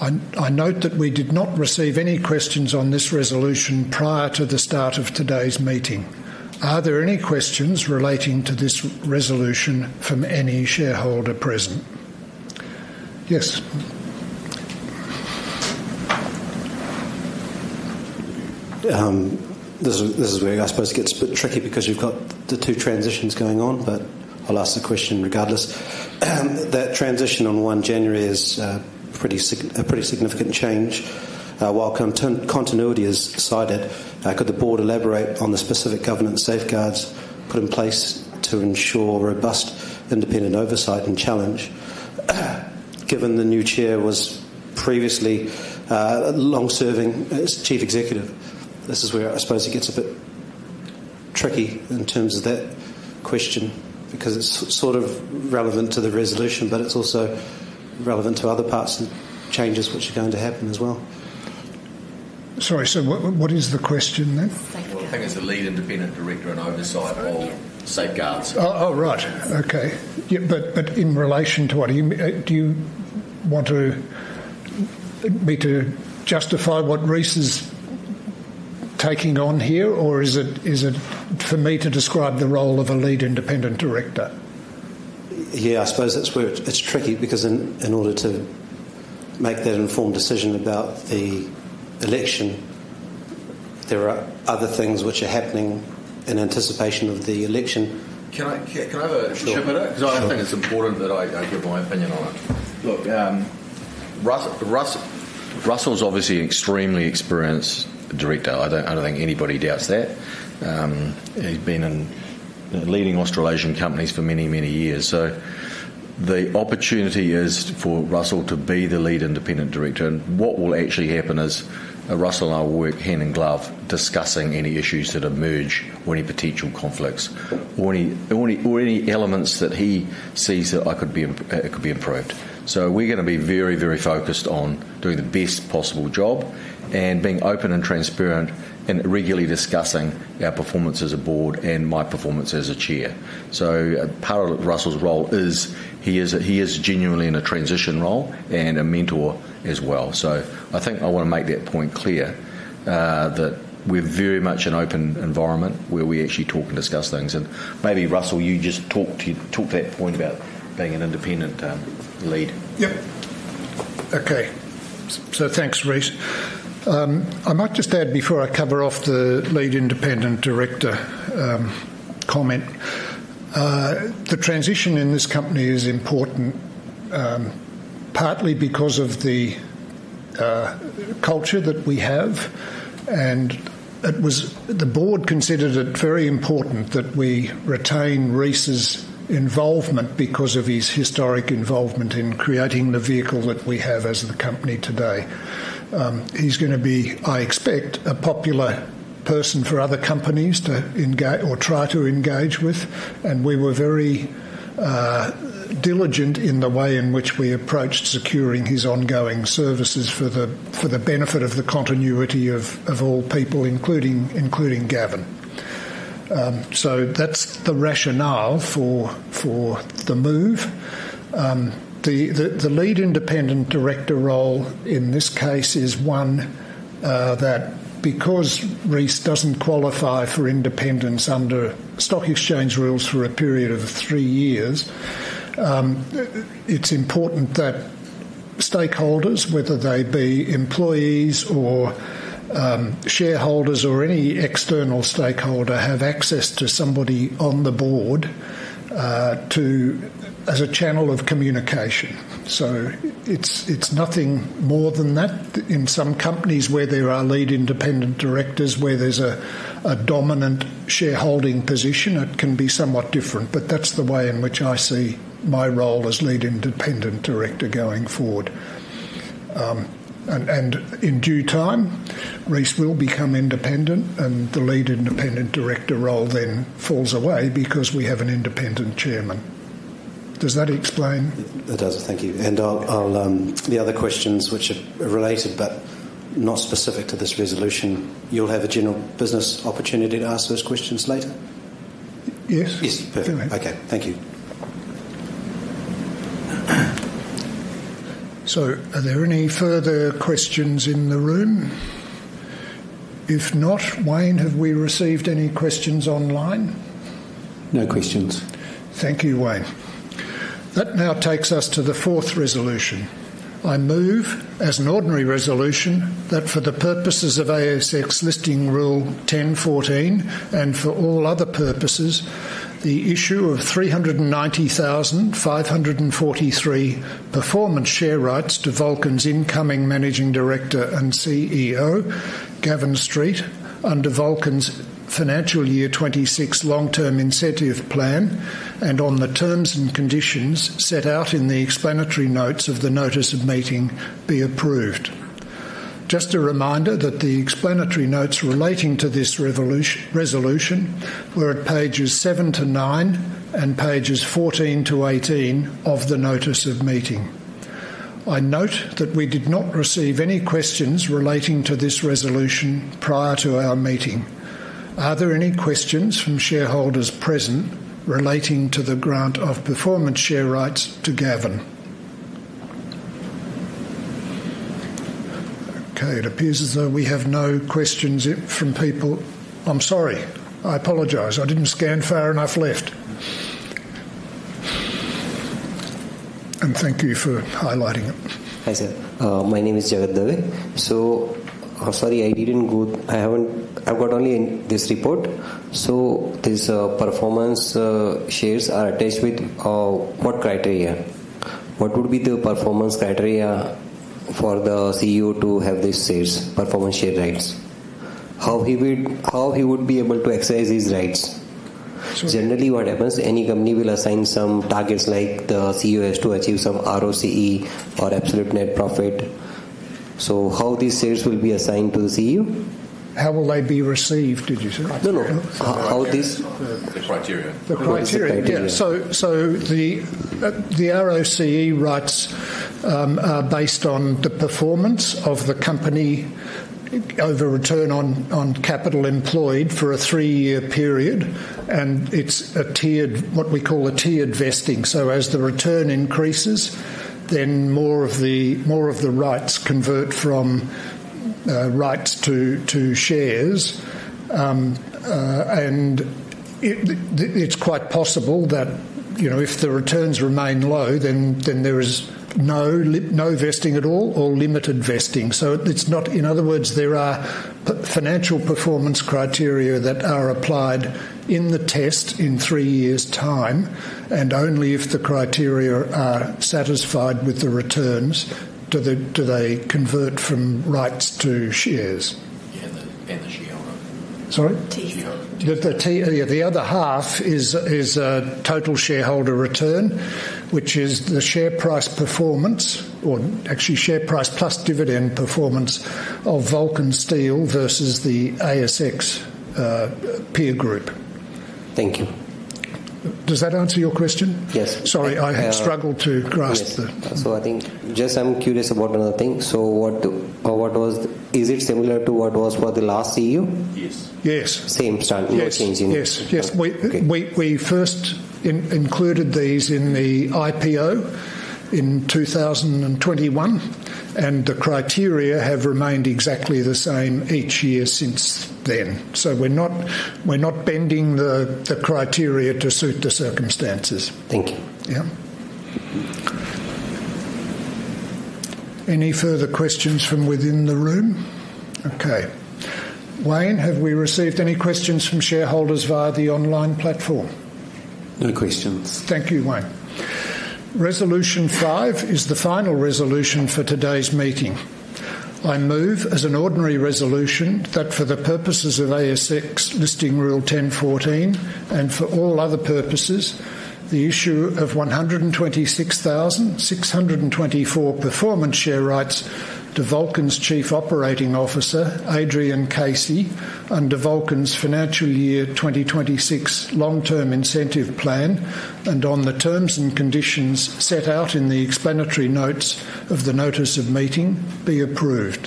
I note that we did not receive any questions on this Resolution prior to the start of today's meeting. Are there any questions relating to this Resolution from any shareholder present? Yes. This is where I suppose it gets a bit tricky because you've got the two transitions going on, but I'll ask the question regardless. That transition on January 1 is a pretty significant change. While continuity is cited, could the Board elaborate on the specific governance safeguards put in place to ensure robust independent oversight and challenge, given the new chair was previously long-serving chief executive? This is where I suppose it gets a bit tricky in terms of that question because it's sort of relevant to the Resolution, but it's also relevant to other parts of changes which are going to happen as well. Sorry, so what is the question then? I think it's a lead independent director and oversight of safeguards. Oh, right. Okay. But in relation to what do you want to me to justify what Rhys is taking on here, or is it for me to describe the role of a lead independent director? Yeah, I suppose it's tricky because in order to make that informed decision about the election, there are other things which are happening in anticipation of the election. Can I have a chip at it? Because I think it's important that I give my opinion on it. Look. Russell's obviously an extremely experienced director. I don't think anybody doubts that. He's been in leading Australasian companies for many, many years. The opportunity is for Russell to be the lead independent director. What will actually happen is Russell and I will work hand in glove discussing any issues that emerge, any potential conflicts, or any elements that he sees that could be improved. We're going to be very, very focused on doing the best possible job and being open and transparent and regularly discussing our performance as a Board and my performance as a chair. Part of Russell's role is he is genuinely in a transition role and a mentor as well. I think I want to make that point clear. That we're very much in an open environment where we actually talk and discuss things. Maybe, Russell, you just talk to that point about being an independent lead. Yep. Okay. Thanks, Rhys. I might just add before I cover off the lead independent director comment. The transition in this company is important, partly because of the culture that we have. The Board considered it very important that we retain Rhys's involvement because of his historic involvement in creating the vehicle that we have as the company today. He's going to be, I expect, a popular person for other companies to engage or try to engage with. We were very diligent in the way in which we approached securing his ongoing services for the benefit of the continuity of all people, including Gavin. That's the rationale for the move. The lead independent director role in this case is one that, because Rhys doesn't qualify for independence under stock exchange rules for a period of three years, it's important that stakeholders, whether they be employees or shareholders or any external stakeholder, have access to somebody on the Board as a channel of communication. It's nothing more than that. In some companies where there are lead independent directors, where there's a dominant shareholding position, it can be somewhat different. That's the way in which I see my role as lead independent director going forward. In due time, Rhys will become independent, and the lead independent director role then falls away because we have an independent chairman. Does that explain? It does. Thank you. The other questions which are related but not specific to this Resolution, you'll have a general business opportunity to ask those questions later? Yes. Yes. Perfect. Thank you. Are there any further questions in the room? If not, Wayne, have we received any questions online? No questions. Thank you, Wayne. That now takes us to the fourth Resolution. I move, as an ordinary Resolution, that for the purposes of ASX Listing Rule 10.14 and for all other purposes, the issue of 390,543 performance share rights to Vulcan's incoming Managing Director and CEO, Gavin Street, under Vulcan's financial year 2026 long-term incentive plan, and on the terms and conditions set out in the explanatory notes of the notice of meeting, be approved. Just a reminder that the explanatory notes relating to this Resolution were at pages seven to nine and pages 14 to 18 of the notice of meeting. I note that we did not receive any questions relating to this Resolution prior to our meeting. Are there any questions from shareholders present relating to the grant of performance share rights to Gavin? Okay. It appears as though we have no questions from people. I'm sorry. I apologize. I didn't scan far enough left. Thank you for highlighting it. Hi, sir. My name is Jagad Devi. Sorry, I didn't go, I've got only this report. These performance shares are attached with what criteria? What would be the performance criteria for the CEO to have these shares, performance share rights? How would he be able to exercise his rights? Generally, what happens, any company will assign some targets like the CEO has to achieve some ROCE or absolute net profit. How will these shares be assigned to the CEO? How will they be received, did you say? No, no. The criteria. The criteria. Yeah. The ROCE rights are based on the performance of the company over return on capital employed for a three-year period. It's what we call a tiered vesting. As the return increases, then more of the rights convert from rights to shares. It's quite possible that if the returns remain low, then there is no vesting at all or limited vesting. In other words, there are financial performance criteria that are applied in the test in three years' time, and only if the criteria are satisfied with the returns do they convert from rights to shares. The GRO. Sorry? TGO. Yeah. The other half is total shareholder return, which is the share price performance or actually share price plus dividend performance of Vulcan Steel versus the ASX peer group. Thank you. Does that answer your question? Yes. Sorry, I struggled to grasp the. I think just I'm curious about another thing. Was it similar to what was for the last CEO? Yes. Yes. Same stuff. No change. Yes. We first included these in the IPO in 2021, and the criteria have remained exactly the same each year since then. We're not bending the criteria to suit the circumstances. Thank you. Any further questions from within the room? Okay. Wayne, have we received any questions from shareholders via the online platform? No questions. Thank you, Wayne. Resolution 5 is the final Resolution for today's meeting. I move, as an ordinary Resolution, that for the purposes of ASX Listing Rule 10.14 and for all other purposes, the issue of 126,624 performance share rights to Vulcan's Chief Operating Officer, Adrian Casey, under Vulcan's financial year 2026 long-term incentive plan, and on the terms and conditions set out in the explanatory notes of the notice of meeting, be approved.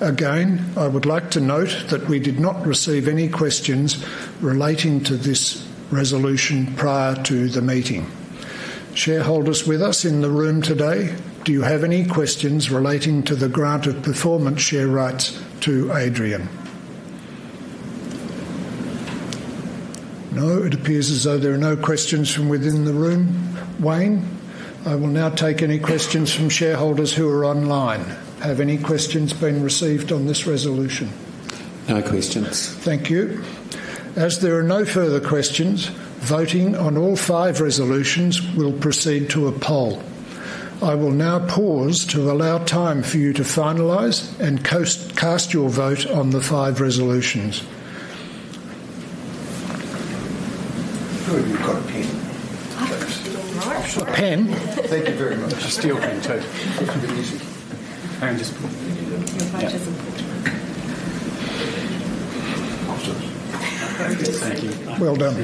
Again, I would like to note that we did not receive any questions relating to this Resolution prior to the meeting. Shareholders with us in the room today, do you have any questions relating to the grant of performance share rights to Adrian? No. It appears as though there are no questions from within the room. Wayne, I will now take any questions from shareholders who are online. Have any questions been received on this Resolution? No questions. Thank you. As there are no further questions, voting on all five Resolutions will proceed to a poll. I will now pause to allow time for you to finalize and cast your vote on the five Resolutions. You've got a pen. I've just got a pen. Thank you very much. I still can too. Thank you. Well done,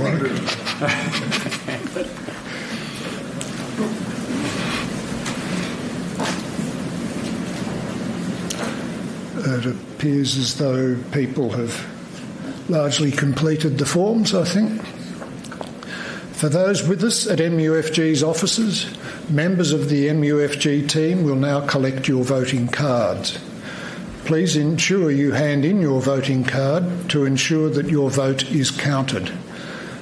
Wayne. It appears as though people have largely completed the forms, I think. For those with us at MUFG's offices, members of the MUFG team will now collect your voting cards. Please ensure you hand in your voting card to ensure that your vote is counted.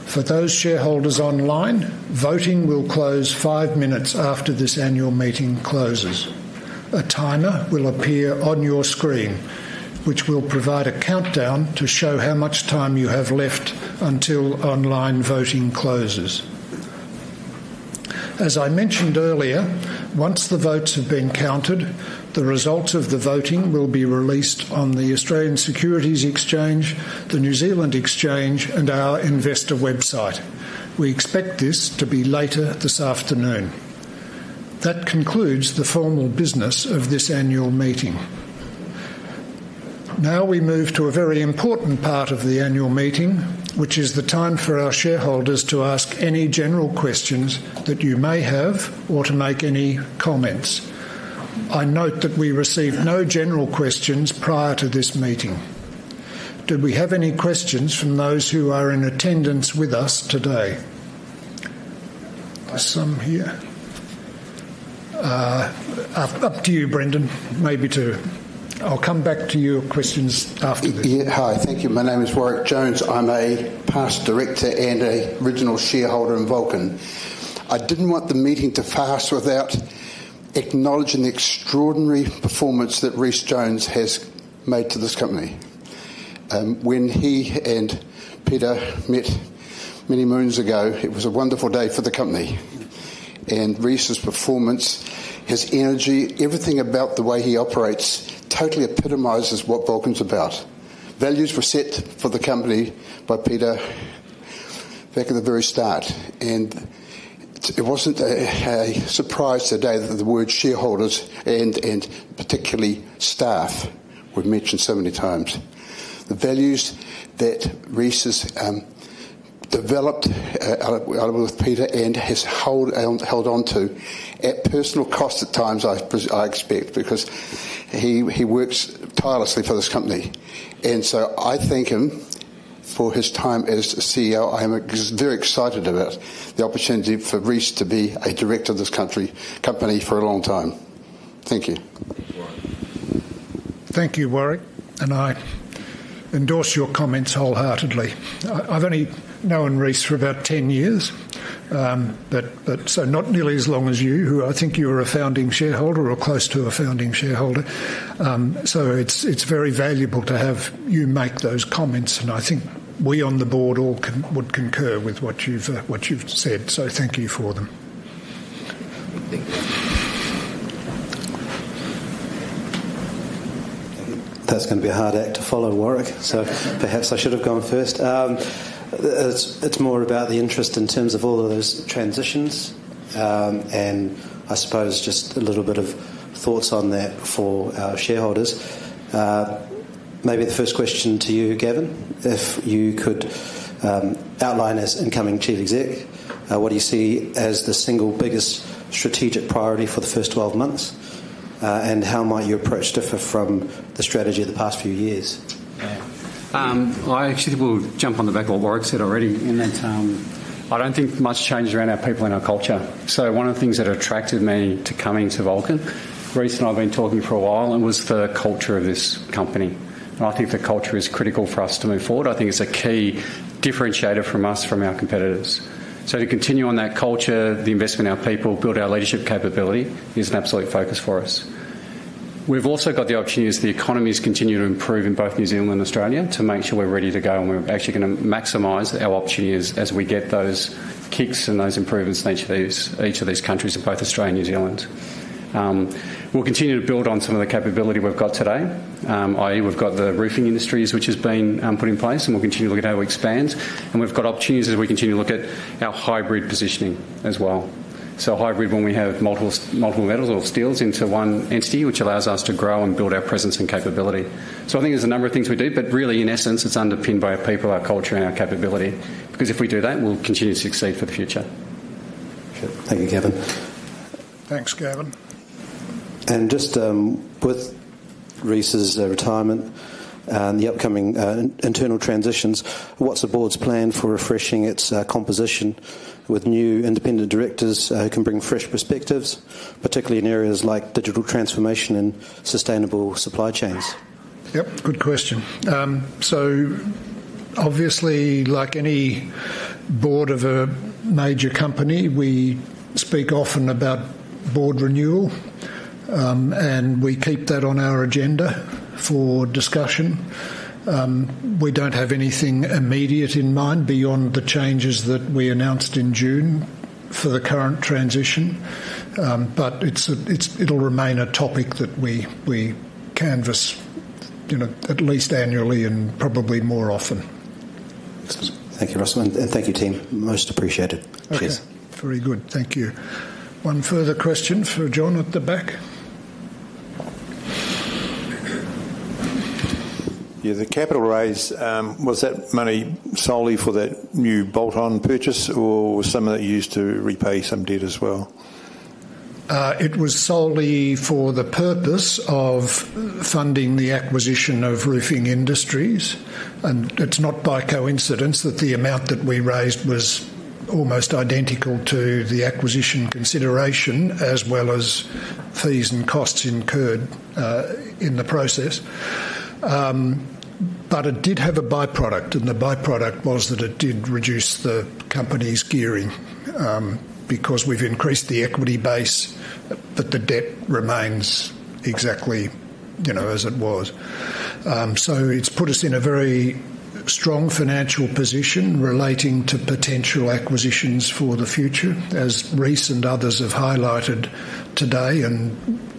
For those shareholders online, voting will close five minutes after this Annual Meeting closes. A timer will appear on your screen, which will provide a countdown to show how much time you have left until online voting closes. As I mentioned earlier, once the votes have been counted, the results of the voting will be released on the Australian Securities Exchange, the New Zealand Exchange, and our investor website. We expect this to be later this afternoon. That concludes the formal business of this annual meeting. Now we move to a very important part of the annual meeting, which is the time for our shareholders to ask any general questions that you may have or to make any comments. I note that we received no general questions prior to this meeting. Do we have any questions from those who are in attendance with us today? There's some here. Up to you, Brendan, maybe too. I'll come back to your questions after this. Hi. Thank you. My name is Warwick Jones. I'm a past director and a regional shareholder in Vulcan Steel Limited. I didn't want the meeting to pass without. Acknowledging the extraordinary performance that Rhys Jones has made to this company. When he and Peter met many moons ago, it was a wonderful day for the company. Rhys's performance, his energy, everything about the way he operates what Vulcan Steel Limited is about. Values were set for the company by Peter back at the very start. It was not a surprise today that the word shareholders and particularly staff were mentioned so many times. The values that Rhys has developed with Peter and has held on to at personal cost at times, I expect, because he works tirelessly for this company. I thank him for his time as CEO. I am very excited about the opportunity for Rhys to be a director of this company for a long time. Thank you. Thank you, Warwick. I endorse your comments wholeheartedly. I've only known Rhys for about 10 years, not nearly as long as you, who I think you were a founding shareholder or close to a founding shareholder. It is very valuable to have you make those comments. I think we on the Board all would concur with what you've said. Thank you for them. That is going to be a hard act to follow, Warwick. Perhaps I should have gone first. It is more about the interest in terms of all of those transitions. I suppose just a little bit of thoughts on that for our shareholders. Maybe the first question to you, Gavin, if you could outline as incoming Chief Executive, what do you see as the single biggest strategic priority for the first 12 months? How might your approach differ from the strategy of the past few years? I actually will jump on the back of what Warwick said already, in that I don't think much changes around our people and our culture. One of the things that attracted me to coming to Vulcan, Rhys and I have been talking for a while, was the culture of this company. I think the culture is critical for us to move forward. I think it's a key differentiator for us from our competitors. To continue on that culture, the investment in our people, build our leadership capability is an absolute focus for us. We've also got the opportunity as the economies continue to improve in both New Zealand and Australia to make sure we're ready to go and we're actually going to maximize our opportunities as we get those kicks and those improvements in each of these countries, in both Australia and New Zealand. We'll continue to build on some of the capability we've got today, i.e., we've got the Roofing Industries which have been put in place, and we'll continue to look at how we expand. We've got opportunities as we continue to look at our hybrid positioning as well. Hybrid, when we have multiple metals or steels into one entity, allows us to grow and build our presence and capability. I think there's a number of things we do, but really, in essence, it's underpinned by our people, our culture, and our capability. If we do that, we'll continue to succeed for the future. Thank you, Kevin. Thanks, Gavin. With Rhys's retirement and the upcoming internal transitions, what's the Board's plan for refreshing its composition with new independent directors who can bring fresh perspectives, particularly in areas like digital transformation and sustainable supply chains? Good question. Obviously, like any Board of a major company, we speak often about Board renewal. We keep that on our agenda for discussion. We don't have anything immediate in mind beyond the changes that we announced in June for the current transition. It'll remain a topic that we canvass at least annually and probably more often. Thank you, Russell. Thank you, team. Most appreciated. Cheers. Very good. Thank you. One further question for John at the back. The capital raise, was that money solely for that new bolt-on purchase, or was some of that used to repay some debt as well? It was solely for the purpose of funding the acquisition of Roofing Industries. It's not by coincidence that the amount that we raised was almost identical to the acquisition consideration, as well as fees and costs incurred in the process. It did have a byproduct, and the byproduct was that it did reduce the company's gearing. We've increased the equity base, but the debt remains exactly as it was. It's put us in a very strong financial position relating to potential acquisitions for the future. As Rhys and others have highlighted today and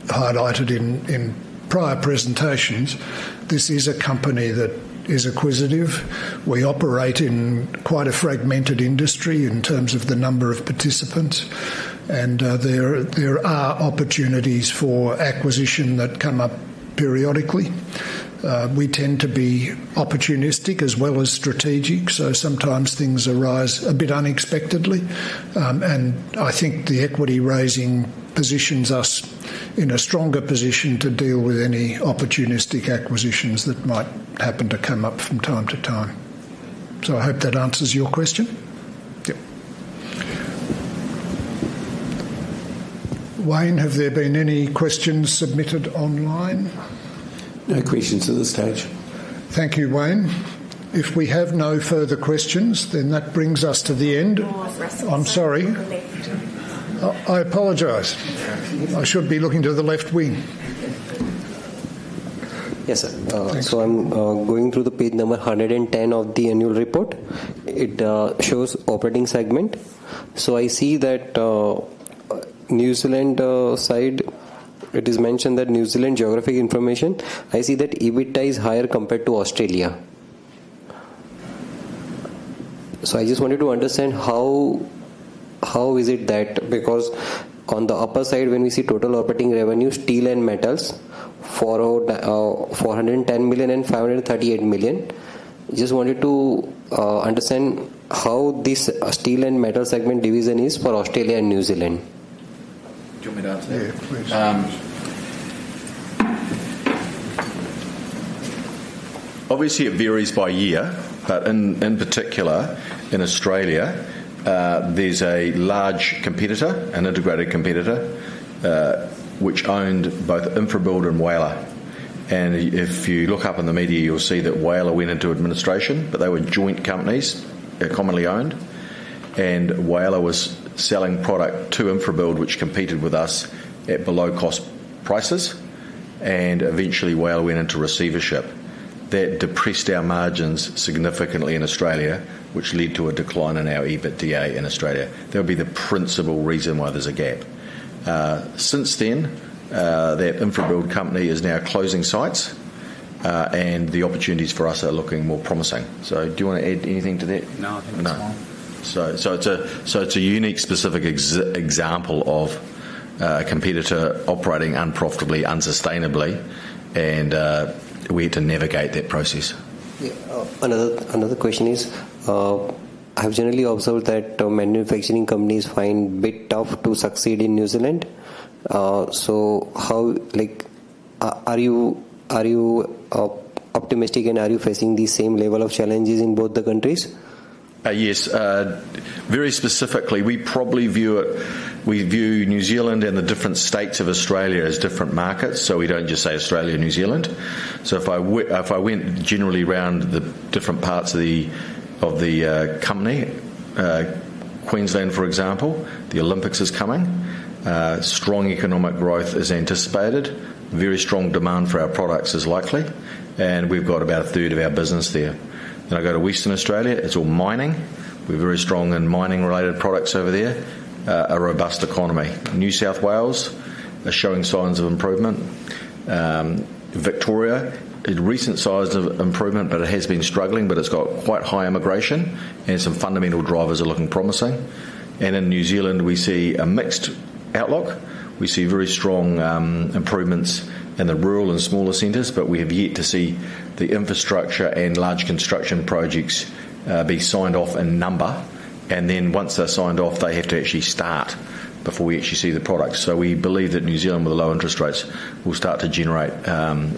highlighted in prior presentations, this is a company that is acquisitive. We operate in quite a fragmented industry in terms of the number of participants. There are opportunities for acquisition that come up periodically. We tend to be opportunistic as well as strategic, so sometimes things arise a bit unexpectedly. I think the equity raising positions us in a stronger position to deal with any opportunistic acquisitions that might happen to come up from time to time. I hope that answers your question. Yep. Wayne, have there been any questions submitted online? No questions at this stage. Thank you, Wayne. If we have no further questions, that brings us to the end. I'm sorry. I apologize. I should be looking to the left wing. Yes, sir. I'm going through page 110 of the annual report. It shows operating segment. I see that New Zealand side, it is mentioned that New Zealand geographic information. I see that EBITDA is higher compared to Australia. I just wanted to understand how. Is it that because on the upper side, when we see total operating revenue, steel and metals for 110 million and 538 million, I just wanted to understand how this steel and metal segment division is for Australia and New Zealand. Do you want me to answer that? Yeah, please. Obviously, it varies by year, but in particular, in Australia, there's a large competitor, an integrated competitor, which owned both InfraBuild and Whaler. If you look up in the media, you'll see that Whaler went into administration, but they were joint companies commonly owned. Whaler was selling product to InfraBuild, which competed with us at below-cost prices. Eventually, Whaler went into receivership. That depressed our margins significantly in Australia, which led to a decline in our EBITDA in Australia. That would be the principal reason why there's a gap. Since then, that InfraBuild company is now closing sites, and the opportunities for us are looking more promising. Do you want to add anything to that? No, I think that's fine. No, it's a unique specific example of a competitor operating unprofitably, unsustainably, and we had to navigate that process. Another question is, I've generally observed that manufacturing companies find it a bit tough to succeed in New Zealand. Are you optimistic, and are you facing the same level of challenges in both the countries? Yes. Very specifically, we probably view New Zealand and the different states of Australia as different markets, so we don't just say Australia and New Zealand. If I went generally around the different parts of the company, Queensland, for example, the Olympics is coming. Strong economic growth is anticipated. Very strong demand for our products is likely, and we've got about a third of our business there. I go to Western Australia. It's all mining. We're very strong in mining-related products over there. A robust economy. New South Wales is showing signs of improvement. Victoria is recent signs of improvement, but it has been struggling. It's got quite high immigration, and some fundamental drivers are looking promising. In New Zealand, we see a mixed outlook. We see very strong improvements in the rural and smaller centers, but we have yet to see the infrastructure and large construction projects be signed off in number. Once they're signed off, they have to actually start before we actually see the products. We believe that New Zealand, with the low interest rates, will start to generate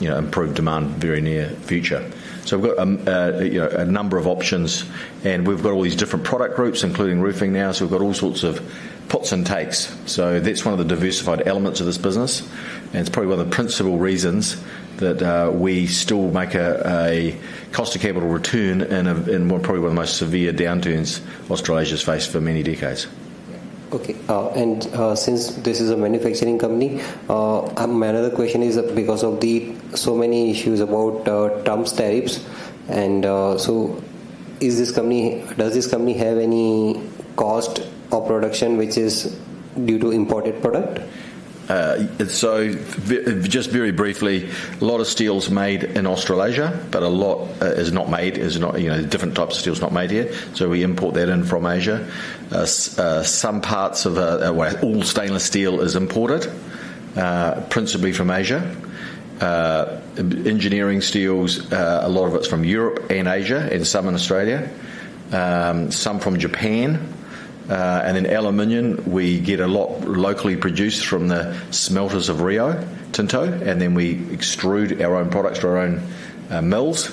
improved demand in the very near future. We've got a number of options, and we've got all these different product groups, including roofing now. We've got all sorts of puts and takes. That's one of the diversified elements of this business. It's probably one of the principal reasons that we still make a cost of capital return in probably one of the most severe downturns Australia has faced for many decades. Okay. Since this is a manufacturing company, my other question is because of so many issues about Trump's tariffs. Does this company have any cost of production which is due to imported product? Just very briefly, a lot of steel is made in Australasia, but a lot is not made. Different types of steel are not made here, so we import that in from Asia. Some parts of all stainless steel are imported, principally from Asia. Engineering steels, a lot of it's from Europe and Asia and some in Australia, some from Japan. Then aluminum, we get a lot locally produced from the smelters of Rio Tinto, and we extrude our own products for our own mills.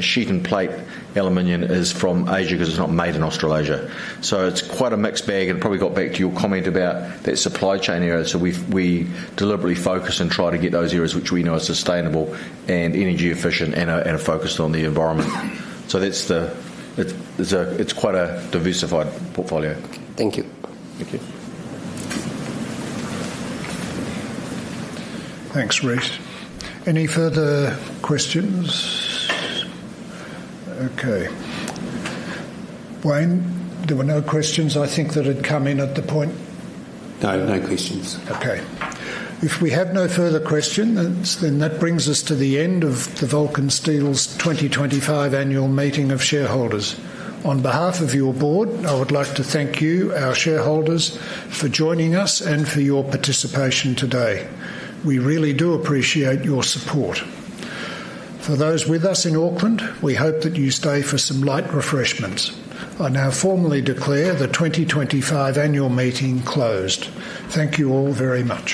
Sheet and plate aluminum is from Asia because it's not made in Australasia. It's quite a mixed bag, and it probably got back to your comment about that supply chain area. We deliberately focus and try to get those areas which we know are sustainable and energy efficient and are focused on the environment. It's quite a diversified portfolio. Thank you. Thank you. Thanks, Rhys. Any further questions? Okay. Wayne, there were no questions I think that had come in at the point. No, no questions. Okay. If we have no further questions, that brings us to the end of Vulcan Steel's 2025 annual meeting of shareholders. On behalf of your Board, I would like to thank you, our shareholders, for joining us and for your participation today. We really do appreciate your support. For those with us in Auckland, we hope that you stay for some light refreshments. I now formally declare the 2025 annual meeting closed. Thank you all very much.